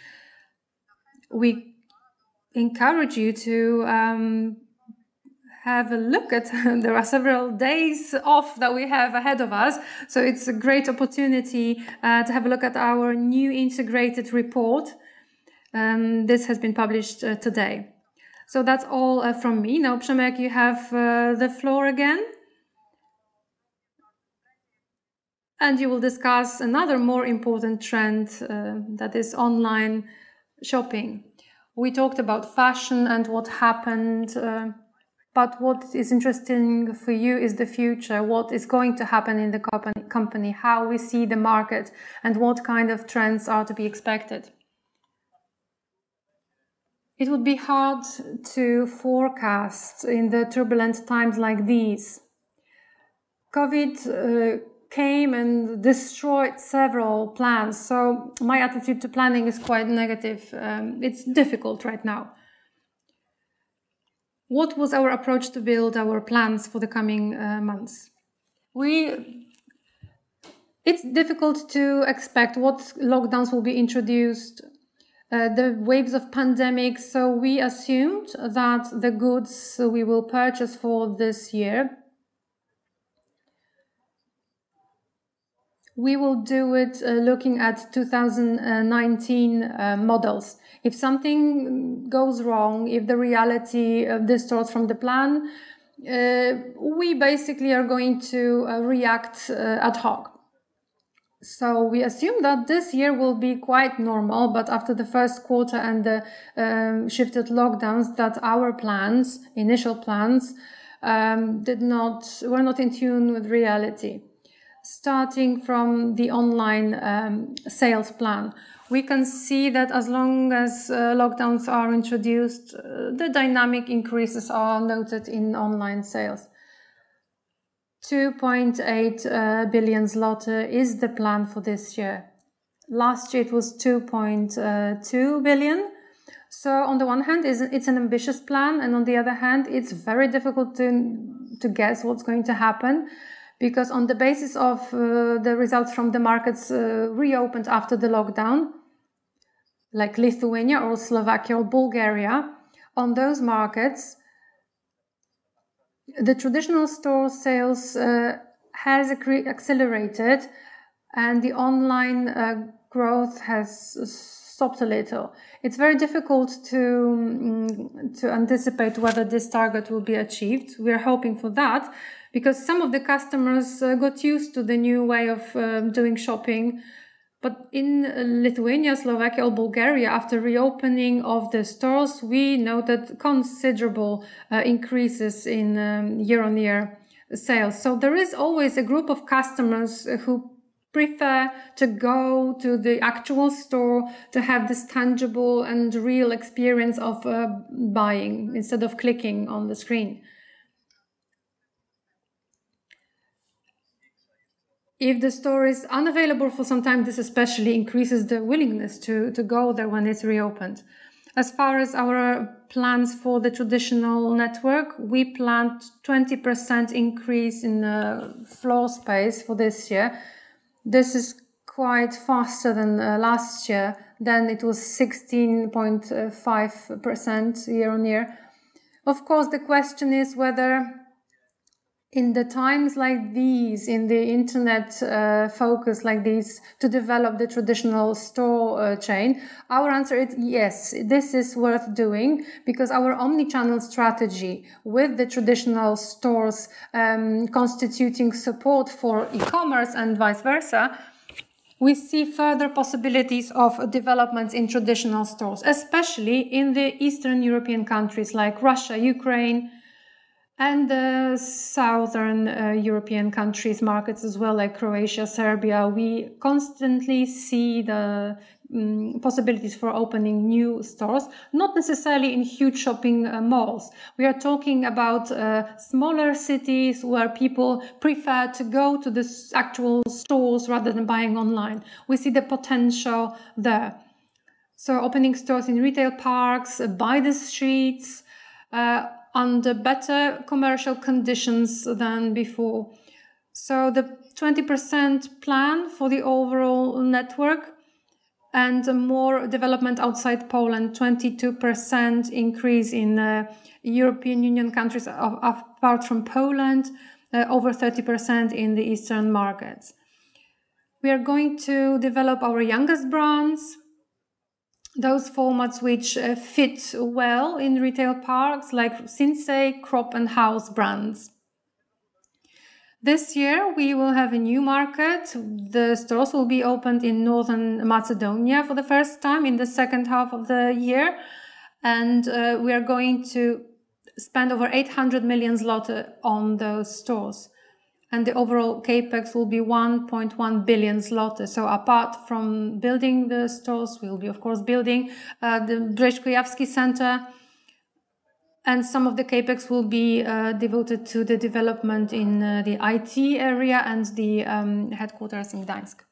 we encourage you to have a look. There are several days off that we have ahead of us, so it's a great opportunity to have a look at our new integrated report. This has been published today. That's all from me. Now, Przemysław, you have the floor again, and you will discuss another more important trend that is online shopping.
We talked about fashion and what happened. What is interesting for you is the future. What is going to happen in the company, how we see the market, and what kind of trends are to be expected. It would be hard to forecast in the turbulent times like these. COVID came and destroyed several plans. My attitude to planning is quite negative. It's difficult right now. What was our approach to build our plans for the coming months? It's difficult to expect what lockdowns will be introduced with the waves of the pandemic. We assumed that the goods we will purchase for this year, we will do it looking at 2019 models. If something goes wrong, if the reality distorts from the plan, we are basically going to react ad hoc. We assume that this year will be quite normal, but after the first quarter and the shifted lockdowns, our plans, initial plans, were not in tune with reality. Starting from the online sales plan, we can see that as long as lockdowns are introduced, the dynamic increases are noted in online sales. 2.8 billion zloty is the plan for this year. Last year, it was 2.2 billion. On the one hand, it's an ambitious plan, and on the other hand, it's very difficult to guess what's going to happen, because on the basis of the results from the markets reopened after the lockdown, like Lithuania or Slovakia or Bulgaria, in those markets, the traditional store sales have accelerated, and the online growth has stopped a little. It's very difficult to anticipate whether this target will be achieved. We're hoping for that, because some of the customers got used to the new way of doing shopping. In Lithuania, Slovakia, or Bulgaria, after the reopening of the stores, we noted considerable increases in year-on-year sales. There is always a group of customers who prefer to go to the actual store to have this tangible and real experience of buying, instead of clicking on the screen. If the store is unavailable for some time, this especially increases the willingness to go there when it's reopened. As far as our plans for the traditional network, we planned a 20% increase in floor space for this year. This is quite faster than last year. It was 16.5% year-on-year. Of course, the question is whether, in times like these, in the internet like this, to develop the traditional store chain; our answer is yes. This is worth doing, because our omnichannel strategy with the traditional stores constituting support for e-commerce and vice versa, we see further possibilities of developments in traditional stores, especially in the Eastern European countries like Russia and Ukraine and Southern European countries' markets as well, like Croatia and Serbia. We constantly see the possibilities for opening new stores, not necessarily in huge shopping malls. We are talking about smaller cities where people prefer to go to the actual stores rather than buying online. We see the potential there. Opening stores in retail parks, by the streets, under better commercial conditions than before. The 20% plan for the overall network and more development outside Poland, a 22% increase in European Union countries apart from Poland, and over 30% in the eastern markets. We are going to develop our youngest brands, those formats that fit well in retail parks like Sinsay, Cropp, and House brands. This year, we will have a new market. The stores will be opened in North Macedonia for the first time in the second half of the year. We are going to spend over 800 million zloty on those stores; the overall CapEx will be 1.1 billion zloty. Apart from building the stores, we'll be, of course, building the Brześć Kujawski Center; some of the CapEx will be devoted to the development in the IT area and the headquarters in Gdańsk.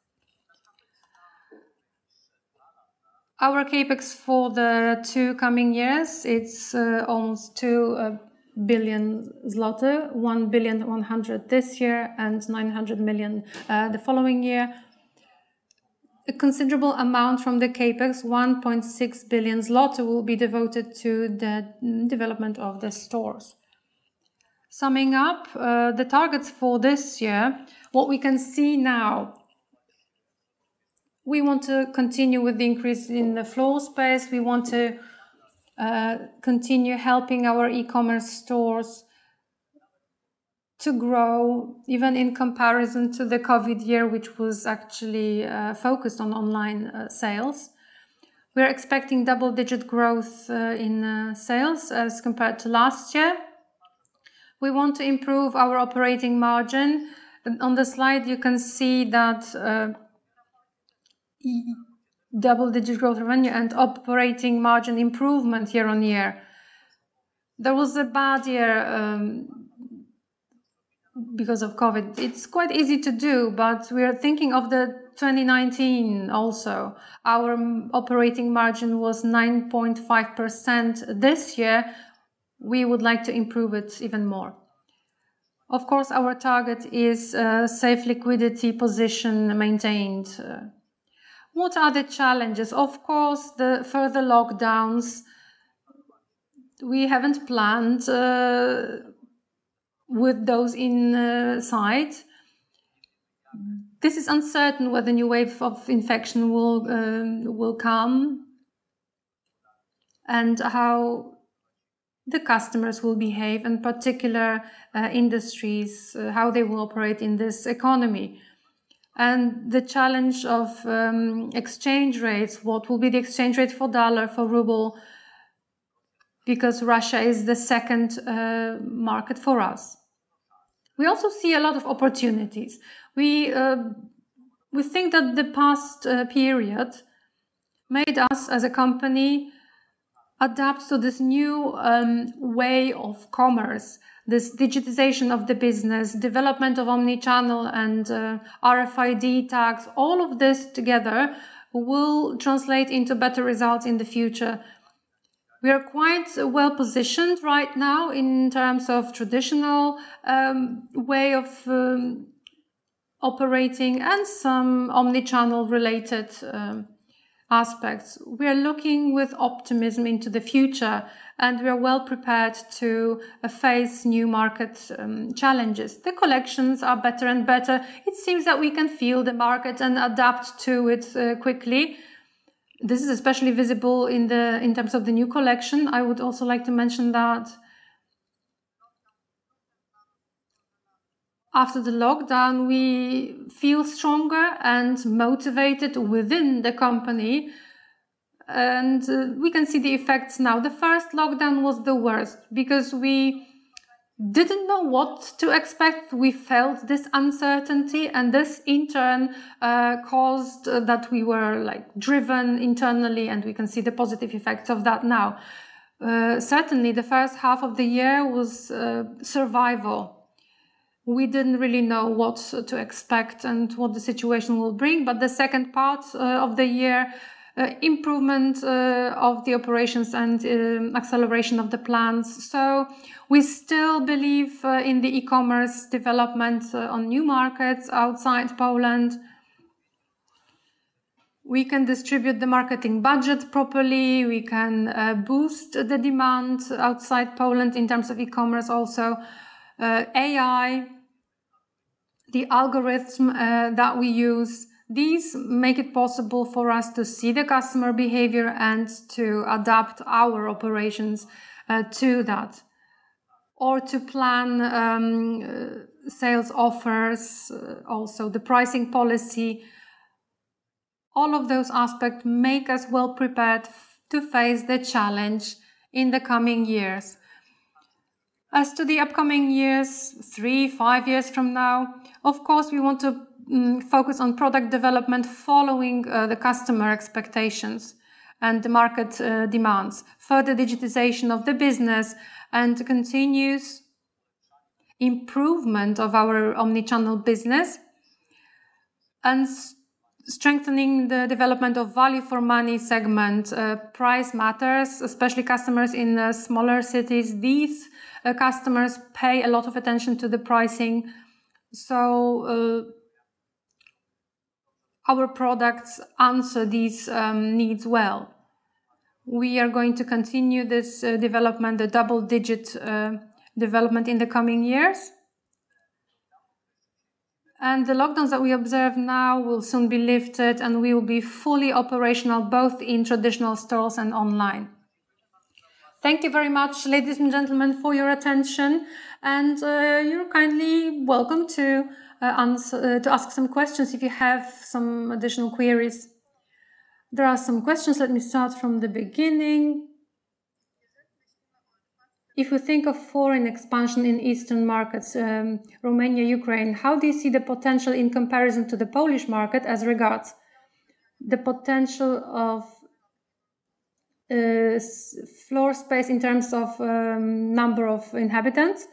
Our CapEx for the two coming years is almost 2 billion zloty, 1.1 billion this year and 900 million the following year. A considerable amount from the CapEx, 1.6 billion zloty, will be devoted to the development of the stores. Summing up the targets for this year, what we can see now is we want to continue with the increase in the floor space. We want to continue helping our e-commerce stores to grow, even in comparison to the COVID year, which was actually focused on online sales. We're expecting double-digit growth in sales as compared to last year. We want to improve our operating margin. On the slide, you can see double-digit growth revenue and operating margin improvement year-over-year. There was a bad year because of COVID. It's quite easy to do. We are thinking of 2019 also. Our operating margin was 9.5% this year. We would like to improve it even more. Of course, our target is a safe liquidity position maintained. What are the challenges? Of course, the further lockdowns. We haven't planned with those in sight. It is uncertain whether a new wave of infection will come and how the customers will behave, in particular industries, and how they will operate in this economy. The challenge of exchange rates, what will be the exchange rate for USD, for RUB, because Russia is the second market for us. We also see a lot of opportunities. We think that the past period made us, as a company, adapt to this new way of commerce, this digitization of the business, and the development of omnichannel and RFID tags. All of this together will translate into better results in the future. We are quite well-positioned right now in terms of traditional ways of operating and some omnichannel-related aspects. We are looking with optimism into the future, and we are well-prepared to face new market challenges. The collections are better and better. It seems that we can feel the market and adapt to it quickly. This is especially visible in terms of the new collection. I would also like to mention that after the lockdown, we feel stronger and motivated within the company, and we can see the effects now. The first lockdown was the worst because we didn't know what to expect. We felt this uncertainty, and this, in turn, caused us to be driven internally, and we can see the positive effects of that now. Certainly, the first half of the year was survival. We didn't really know what to expect and what the situation would bring. The second part of the year is the improvement of the operations and acceleration of the plans. We still believe in the e-commerce development on new markets outside Poland. We can distribute the marketing budget properly. We can boost the demand outside Poland in terms of e-commerce also. AI and the algorithm that we use make it possible for us to see the customer behavior and to adapt our operations to that or to plan sales offers, also the pricing policy. All of those aspects make us well-prepared to face the challenge in the coming years. As to the upcoming years, three-five years from now, of course, we want to focus on product development following the customer expectations and the market demands, further digitization of the business, and continuous improvement of our omnichannel business, and strengthening the development of the value-for-money segment. Price matters, especially customers in smaller cities. These customers pay a lot of attention to the pricing, so our products answer these needs well. We are going to this development, the double-digit development in the coming years. The lockdowns that we observe now will soon be lifted, and we will be fully operational, both in traditional stores and online. Thank you very much, ladies and gentlemen, for your attention, and you're kindly welcome to ask some questions if you have some additional queries. There are some questions. Let me start from the beginning. If you think of foreign expansion in Eastern markets, Romania, Ukraine, how do you see the potential in comparison to the Polish market as regards the potential of floor space in terms of number of inhabitants,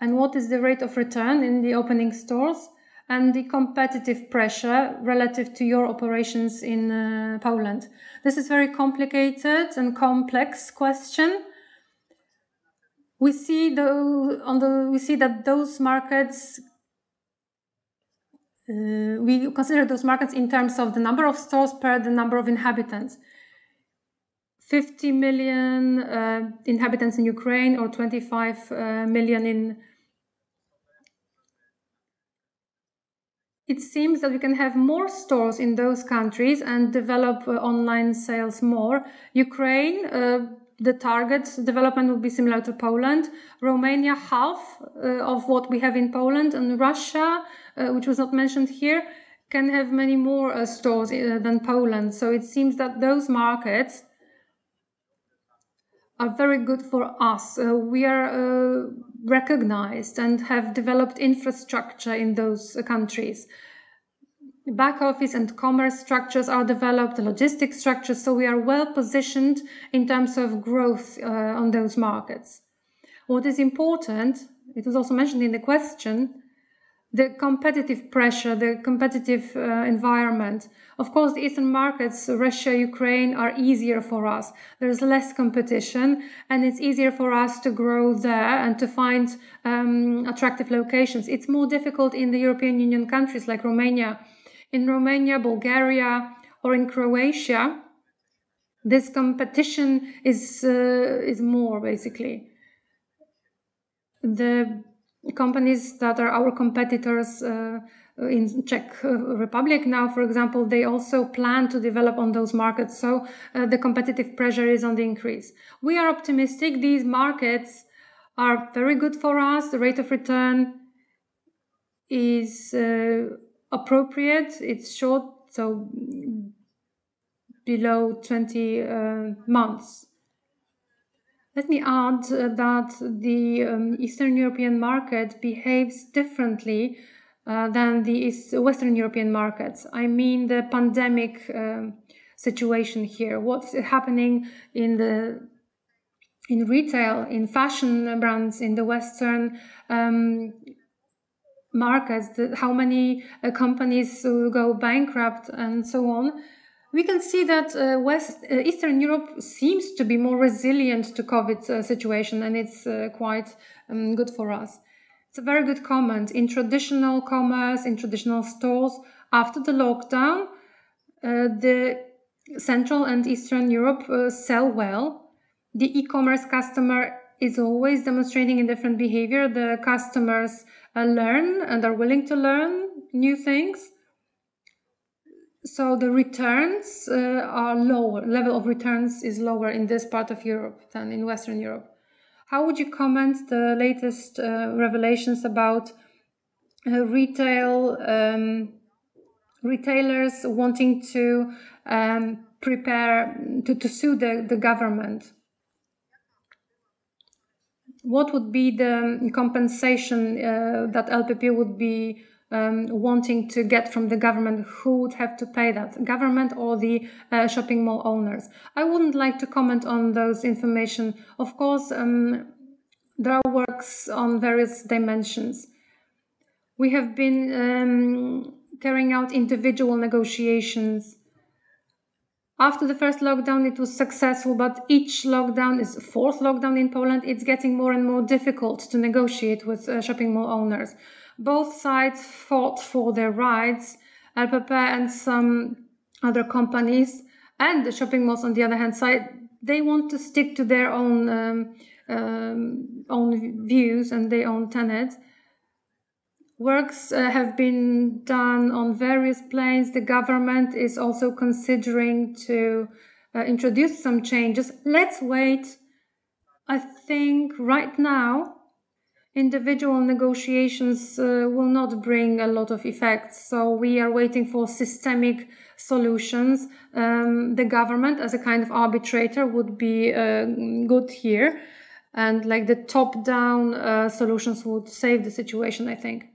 and what is the rate of return in the opening stores and the competitive pressure relative to your operations in Poland? This is a very complicated and complex question. We consider those markets in terms of the number of stores per the number of inhabitants, 50 million inhabitants in Ukraine or 25 million. It seems that we can have more stores in those countries and develop online sales more. In Ukraine, the target development will be similar to Poland's. Romania, half of what we have in Poland. Russia, which was not mentioned here, can have many more stores than Poland. It seems that those markets are very good for us. We are recognized and have developed infrastructure in those countries. Back office and commerce structures are developed, as are logistic structures, so we are well-positioned in terms of growth in those markets. What is important is also mentioned in the question: the competitive pressure and the competitive environment. Of course, the Eastern markets, Russia and Ukraine, are easier for us. There is less competition, and it's easier for us to grow there and to find attractive locations. It's more difficult in the European Union countries like Romania. In Romania, Bulgaria, or Croatia, this competition is more basic. The companies that are our competitors in the Czech Republic now, for example, they also plan to develop in those markets, so the competitive pressure is on the increase. We are optimistic. These markets are very good for us. The rate of return is appropriate. It's short, so less than 20 months. Let me add that the Eastern European market behaves differently than the Western European markets. I mean, the pandemic situation here. What's happening in retail, in fashion brands, in the Western markets, how many companies will go bankrupt, and so on. We can see that Eastern Europe seems to be more resilient to COVID situation, and it's quite good for us. It's a very good comment. In traditional commerce, in traditional stores, after the lockdown, Central and Eastern Europe sell well. The e-commerce customer is always demonstrating a different behavior. The customers learn and are willing to learn new things, so the level of returns is lower in this part of Europe than in Western Europe. How would you comment on the latest revelations about retailers wanting to sue the government? What would be the compensation that LPP would be wanting to get from the government? Who would have to pay that, government or the shopping mall owners? I wouldn't like to comment on that information. Of course, there are works on various dimensions. We have been carrying out individual negotiations. After the first lockdown, it was successful, but with each lockdown—it's the fourth lockdown in Poland—it's getting more and more difficult to negotiate with shopping mall owners. Both sides fought for their rights, LPP and some other companies, and the shopping malls, on the other hand, want to stick to their own views and their own tenet. Works have been done on various planes. The government is also considering introducing some changes. Let's wait. I think right now, individual negotiations will not bring a lot of effects, so we are waiting for systemic solutions. The government, as a kind of arbitrator, would be good here, and the top-down solutions would save the situation, I think.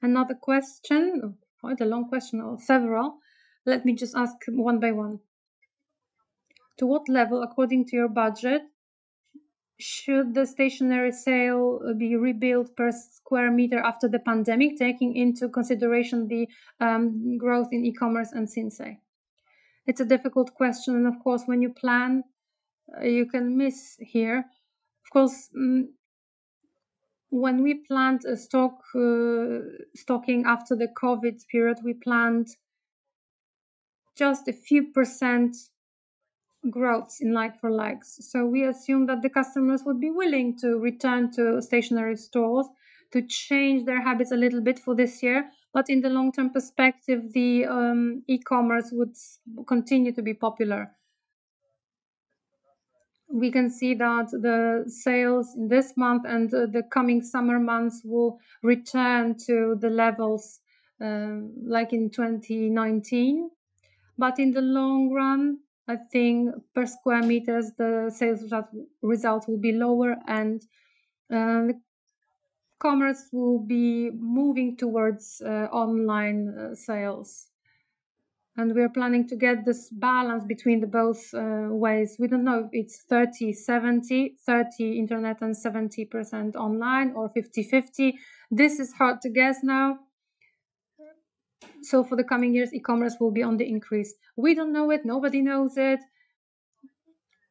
Another question, quite a long question, or several. Let me just ask one by one. To what level, according to your budget, should the stationary sale be rebuilt per square meter after the pandemic, taking into consideration the growth in e-commerce and Sinsay? It's a difficult question, and of course, when you plan, you can miss here. Of course, when we planned a stocking after the COVID period, we planned just a few percent growth in like-for-likes. We assume that the customers would be willing to return to stationery stores to change their habits a little bit for this year. In the long-term perspective, e-commerce would continue to be popular. We can see that the sales in this month and the coming summer months will return to the levels like in 2019. In the long run, I think per sq m, the sales result will be lower, and commerce will be moving towards online sales. We are planning to get this balance between the two ways. We don't know if it's 30/70, 30% internet and 70% online, or 50/50. This is hard to guess now. For the coming years, e-commerce will be on the increase. We don't know it; nobody knows it.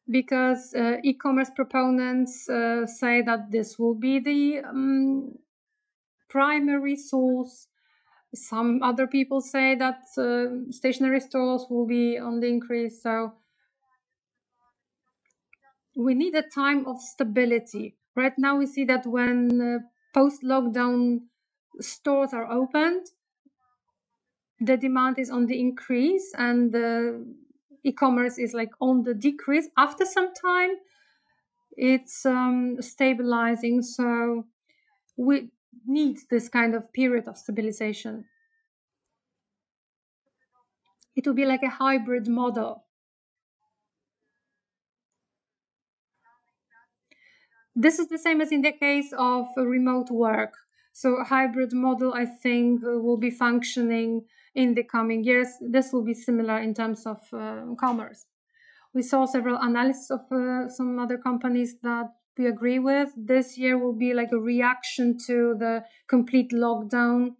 Because e-commerce proponents say that this will be the primary source. Some other people say that stationary stores will be on the increase. We need a time of stability. Right now, we see that when post-lockdown stores are opened, the demand is on the increase and e-commerce is on the decrease. After some time, it's stabilizing. We need this period of stabilization. It will be like a hybrid model. This is the same as in the case of remote work. Hybrid model, I think, will be functioning in the coming years. This will be similar in terms of e-commerce. We saw several analyses of some other companies that we agree with. This year will be like a reaction to the complete lockdown.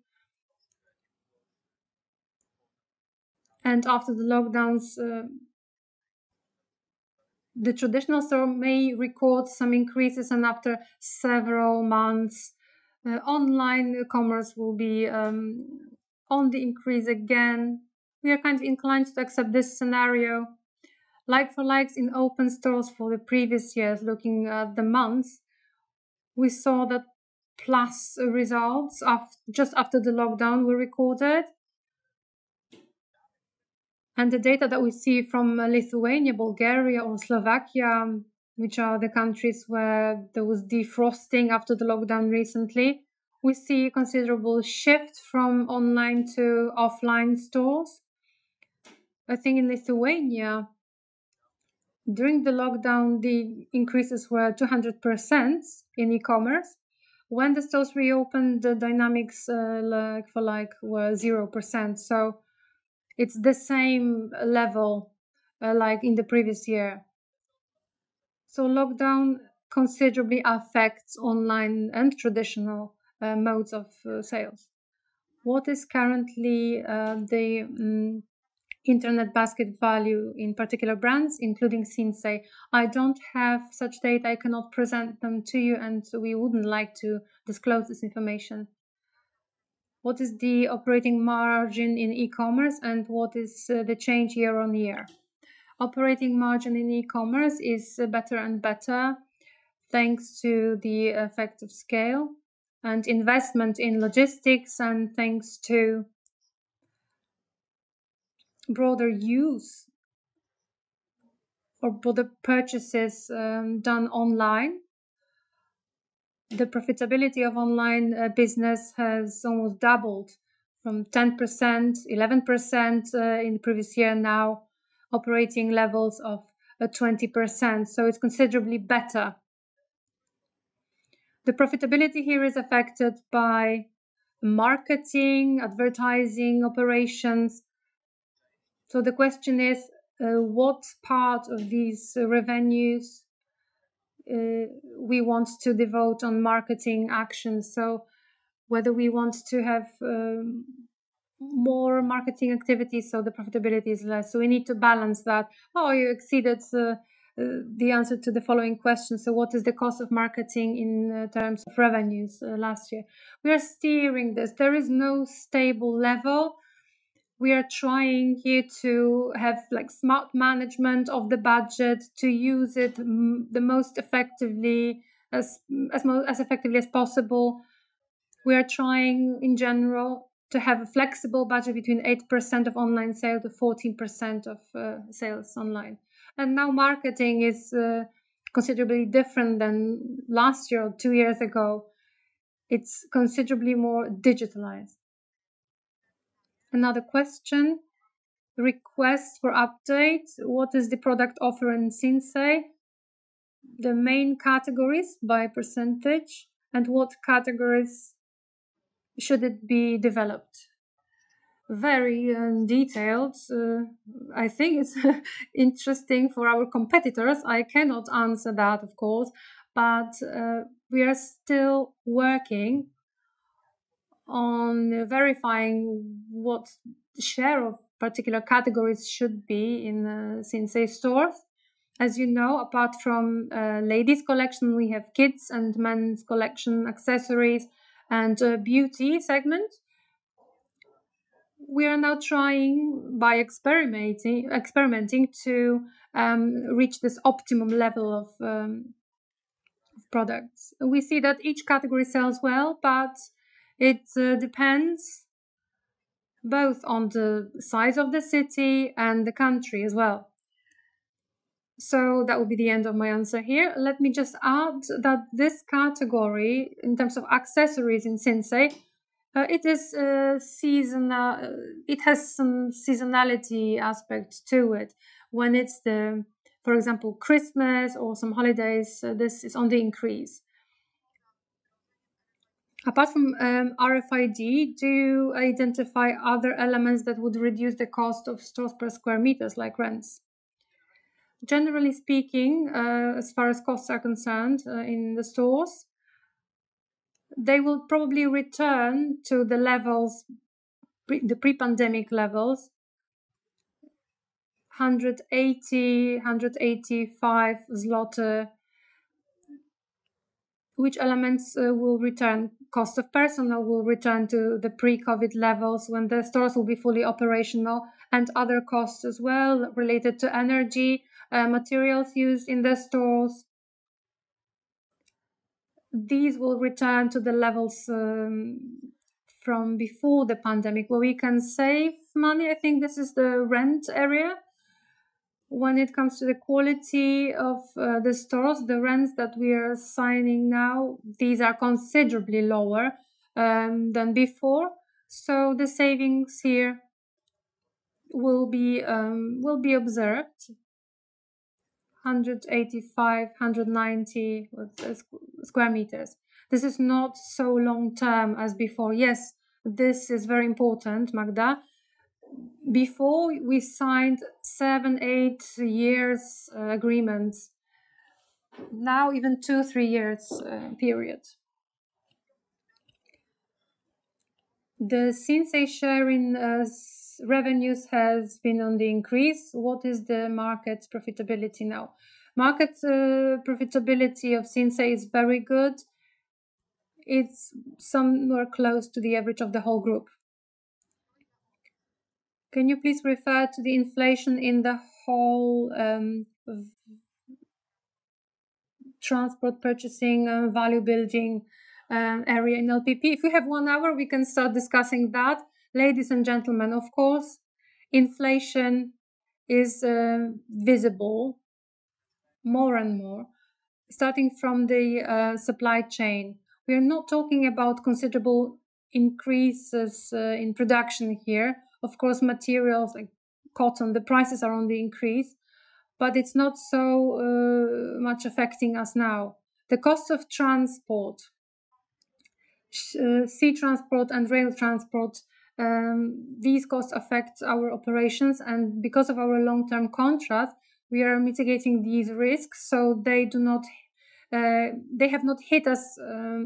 After the lockdowns, the traditional store may record some increases, and after several months, online commerce will be on the increase again. We are inclined to accept this scenario. Like-for-likes in open stores for the previous years, looking at the months, we saw that plus results just after the lockdown was recorded. The data that we see from Lithuania, Bulgaria, or Slovakia, which are the countries where there was defrosting after the lockdown recently, show a considerable shift from online to offline stores. I think in Lithuania, during the lockdown, the increases were 200% in e-commerce. When the stores reopened, the dynamics of like-for-likes were 0%, so it is the same level as in the previous year. Lockdown considerably affects online and traditional modes of sales. What is currently the internet basket value in particular brands, including Sinsay? I do not have such data. I cannot present them to you, and we wouldn't like to disclose this information. What is the operating margin in e-commerce, and what is the change year-on-year? Operating margin in e-commerce is better and better thanks to the effect of scale and investment in logistics and thanks to broader use or broader purchases done online. The profitability of online business has almost doubled from 10%-11% in the previous year, now operating at levels of 20%, so it's considerably better. The profitability here is affected by marketing and advertising operations. The question is what part of these revenues we want to devote to marketing actions. Whether we want to have more marketing activities so the profitability is less. We need to balance that. Oh, you see, that's the answer to the following question. What is the cost of marketing in terms of revenues last year? We are steering this. There is no stable level. We are trying here to have smart management of the budget, to use it as effectively as possible. We are trying, in general, to have a flexible budget between 8% and 14% of online sales. Now marketing is considerably different than last year or two years ago. It's considerably more digitalized. Another question: request for update. What is the product offer in Sinsay? The main categories by percentage, and what categories should it be developed for? Very detailed. I think it's interesting for our competitors. I cannot answer that, of course. We are still working on verifying what share of particular categories should be in Sinsay stores. As you know, apart from the ladies' collection, we have kids' and men's collections, accessories, and a beauty segment. We are now trying by experimenting to reach this optimum level of products. It depends on both the size of the city and the country as well. That will be the end of my answer here. Let me just add that this category, in terms of accessories in Sinsay, it has some seasonality aspect to it. When it's, for example, Christmas or some holidays, this is on the increase. Apart from RFID, do you identify other elements that would reduce the cost of stores per sq m, like rents? Generally speaking, as far as costs are concerned in the stores, they will probably return to the pre-pandemic levels, PLN 180-PLN 185. Which elements will return? Cost of personnel will return to the pre-COVID levels when the stores are fully operational, and other costs as well related to energy and materials used in the stores. These will return to the levels from before the pandemic. Where we can save money, I think this is the rent area. When it comes to the quality of the stores and the rents that we are signing now, these are considerably lower than before. The savings here will be observed. 185 and 190 sq m. This is not so long-term as before. Yes, this is very important, Magda. Before, we signed seven- or eight-year agreements. Now, even two- or three-year periods. The Sinsay share in revenues has been on the increase. What is the market profitability now? Market profitability of Sinsay is very good. It's somewhere close to the average of the whole group. Can you please refer to the inflation in the whole of transport purchasing, a value-building area in LPP? If we have one hour, we can start discussing that. Ladies and gentlemen, of course, inflation is visible more and more starting from the supply chain. We are not talking about considerable increases in production here. Of course, for materials like cotton, the prices are on the increase, but it's not affecting us so much now. The cost of transport, sea transport, and rail transport—these costs affect our operations, and because of our long-term contracts, we are mitigating these risks, so they have not hit us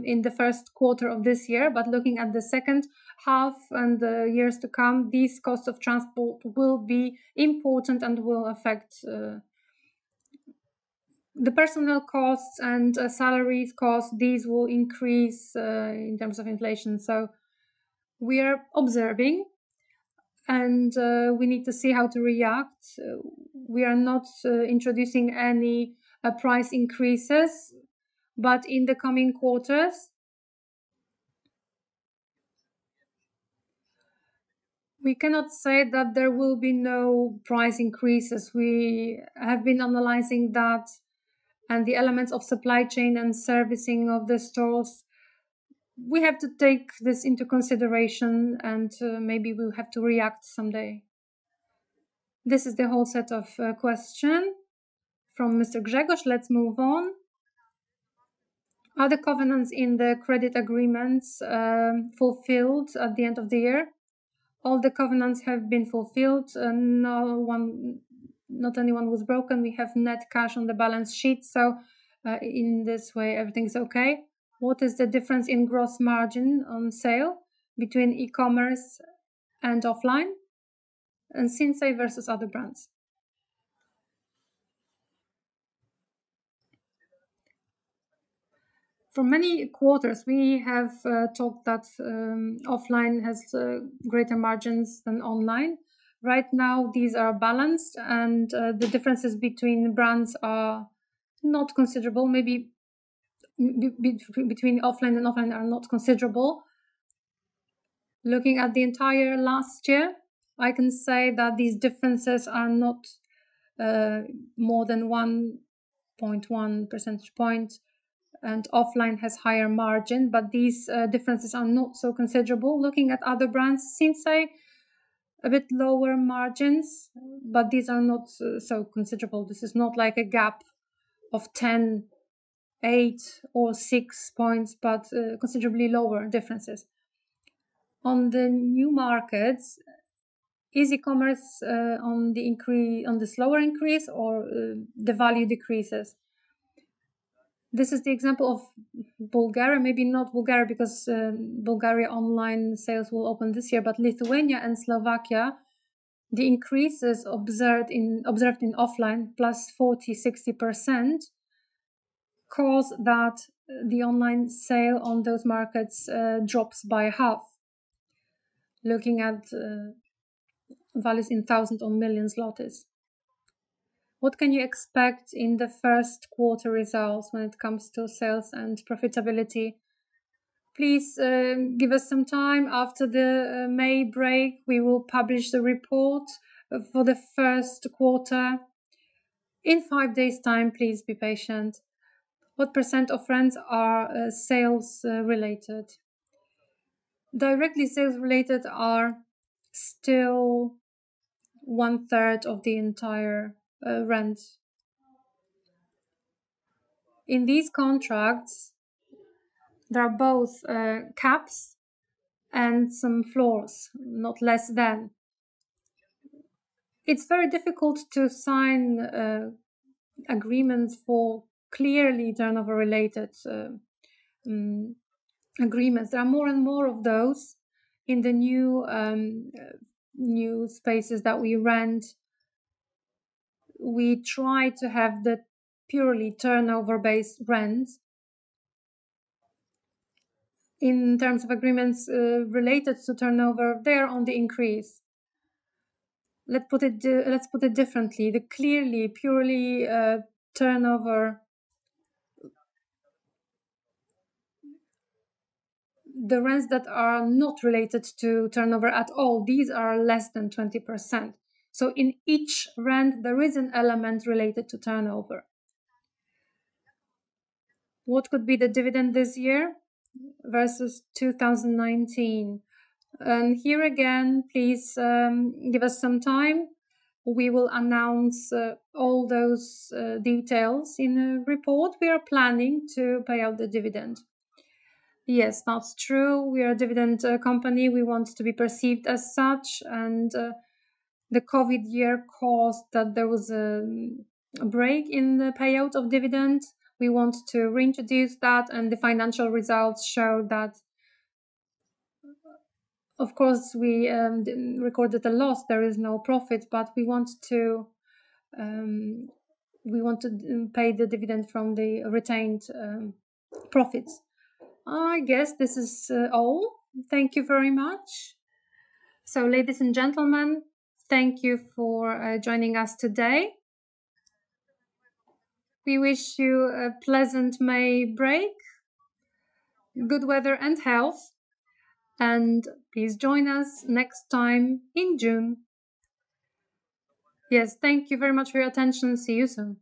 in the first quarter of this year. Looking at the second half and the years to come, these costs of transport will be important and will affect the personnel costs and salary costs. These will increase in terms of inflation. We are observing, and we need to see how to react. We are not introducing any price increases, but in the coming quarters, we cannot say that there will be no price increases. We have been analyzing that and the elements of the supply chain and servicing of the stores. We have to take this into consideration, and maybe we'll have to react someday. This is the whole set of questions from Mr. Grzegorz. Let's move on. Are the covenants in the credit agreements fulfilled at the end of the year? All the covenants have been fulfilled, and not one was broken. We have net cash on the balance sheet, so in this way, everything's okay. What is the difference in gross margin on sale between e-commerce and offline and Sinsay versus other brands? For many quarters, we have talked about how offline has greater margins than online. Right now, these are balanced, and the differences between brands are not considerable. Maybe between offline and online are not considerable. Looking at the entire last year, I can say that these differences are not more than 1.1 percentage points, and offline has a higher margin, but these differences are not so considerable. Looking at other brands, Sinsay has a bit lower margins, but these are not so considerable. This is not like a gap of 10, eight, or six points but considerably lower differences. In the new markets, is e-commerce on the slower increase or is the value decreasing? This is the example of Bulgaria. Maybe not Bulgaria, because Bulgaria's online sales will open this year. Lithuania and Slovakia: the increases observed in offline plus 40% and 60% cause that the online sales in those markets to drop by half, looking at values in thousands or millions of Złoty. What can you expect in the first quarter results when it comes to sales and profitability? Please give us some time. After the May break, we will publish the report for the first quarter. In five days' time, please be patient. What percent of rents are sales-related? Direct sales are still 1/3 of the entire rent. In these contracts, there are both caps and some floors, not less than these. It's very difficult to sign agreements for clearly turnover-related agreements. There are more and more of those in the new spaces that we rent. We try to have purely turnover-based rents. In terms of agreements related to turnover, they are on the increase. Let's put it differently. The rents that are not related to turnover at all are less than 20%. In each rent, there is an element related to turnover. What could be the dividend this year versus 2019? Here again, please give us some time. We will announce all those details in a report. We are planning to pay out the dividend. Yes, that's true. We are a dividend company. We want to be perceived as such. The COVID year caused there to be a break in the payout of dividends. We want to reintroduce that. The financial results show that, of course, we recorded a loss. There is no profit. We want to pay the dividend from the retained profits. I guess this is all. Thank you very much.
Ladies and gentlemen, thank you for joining us today. We wish you a pleasant May break. Good weather and health. Please join us next time in June. Yes. Thank you very much for your attention. See you soon.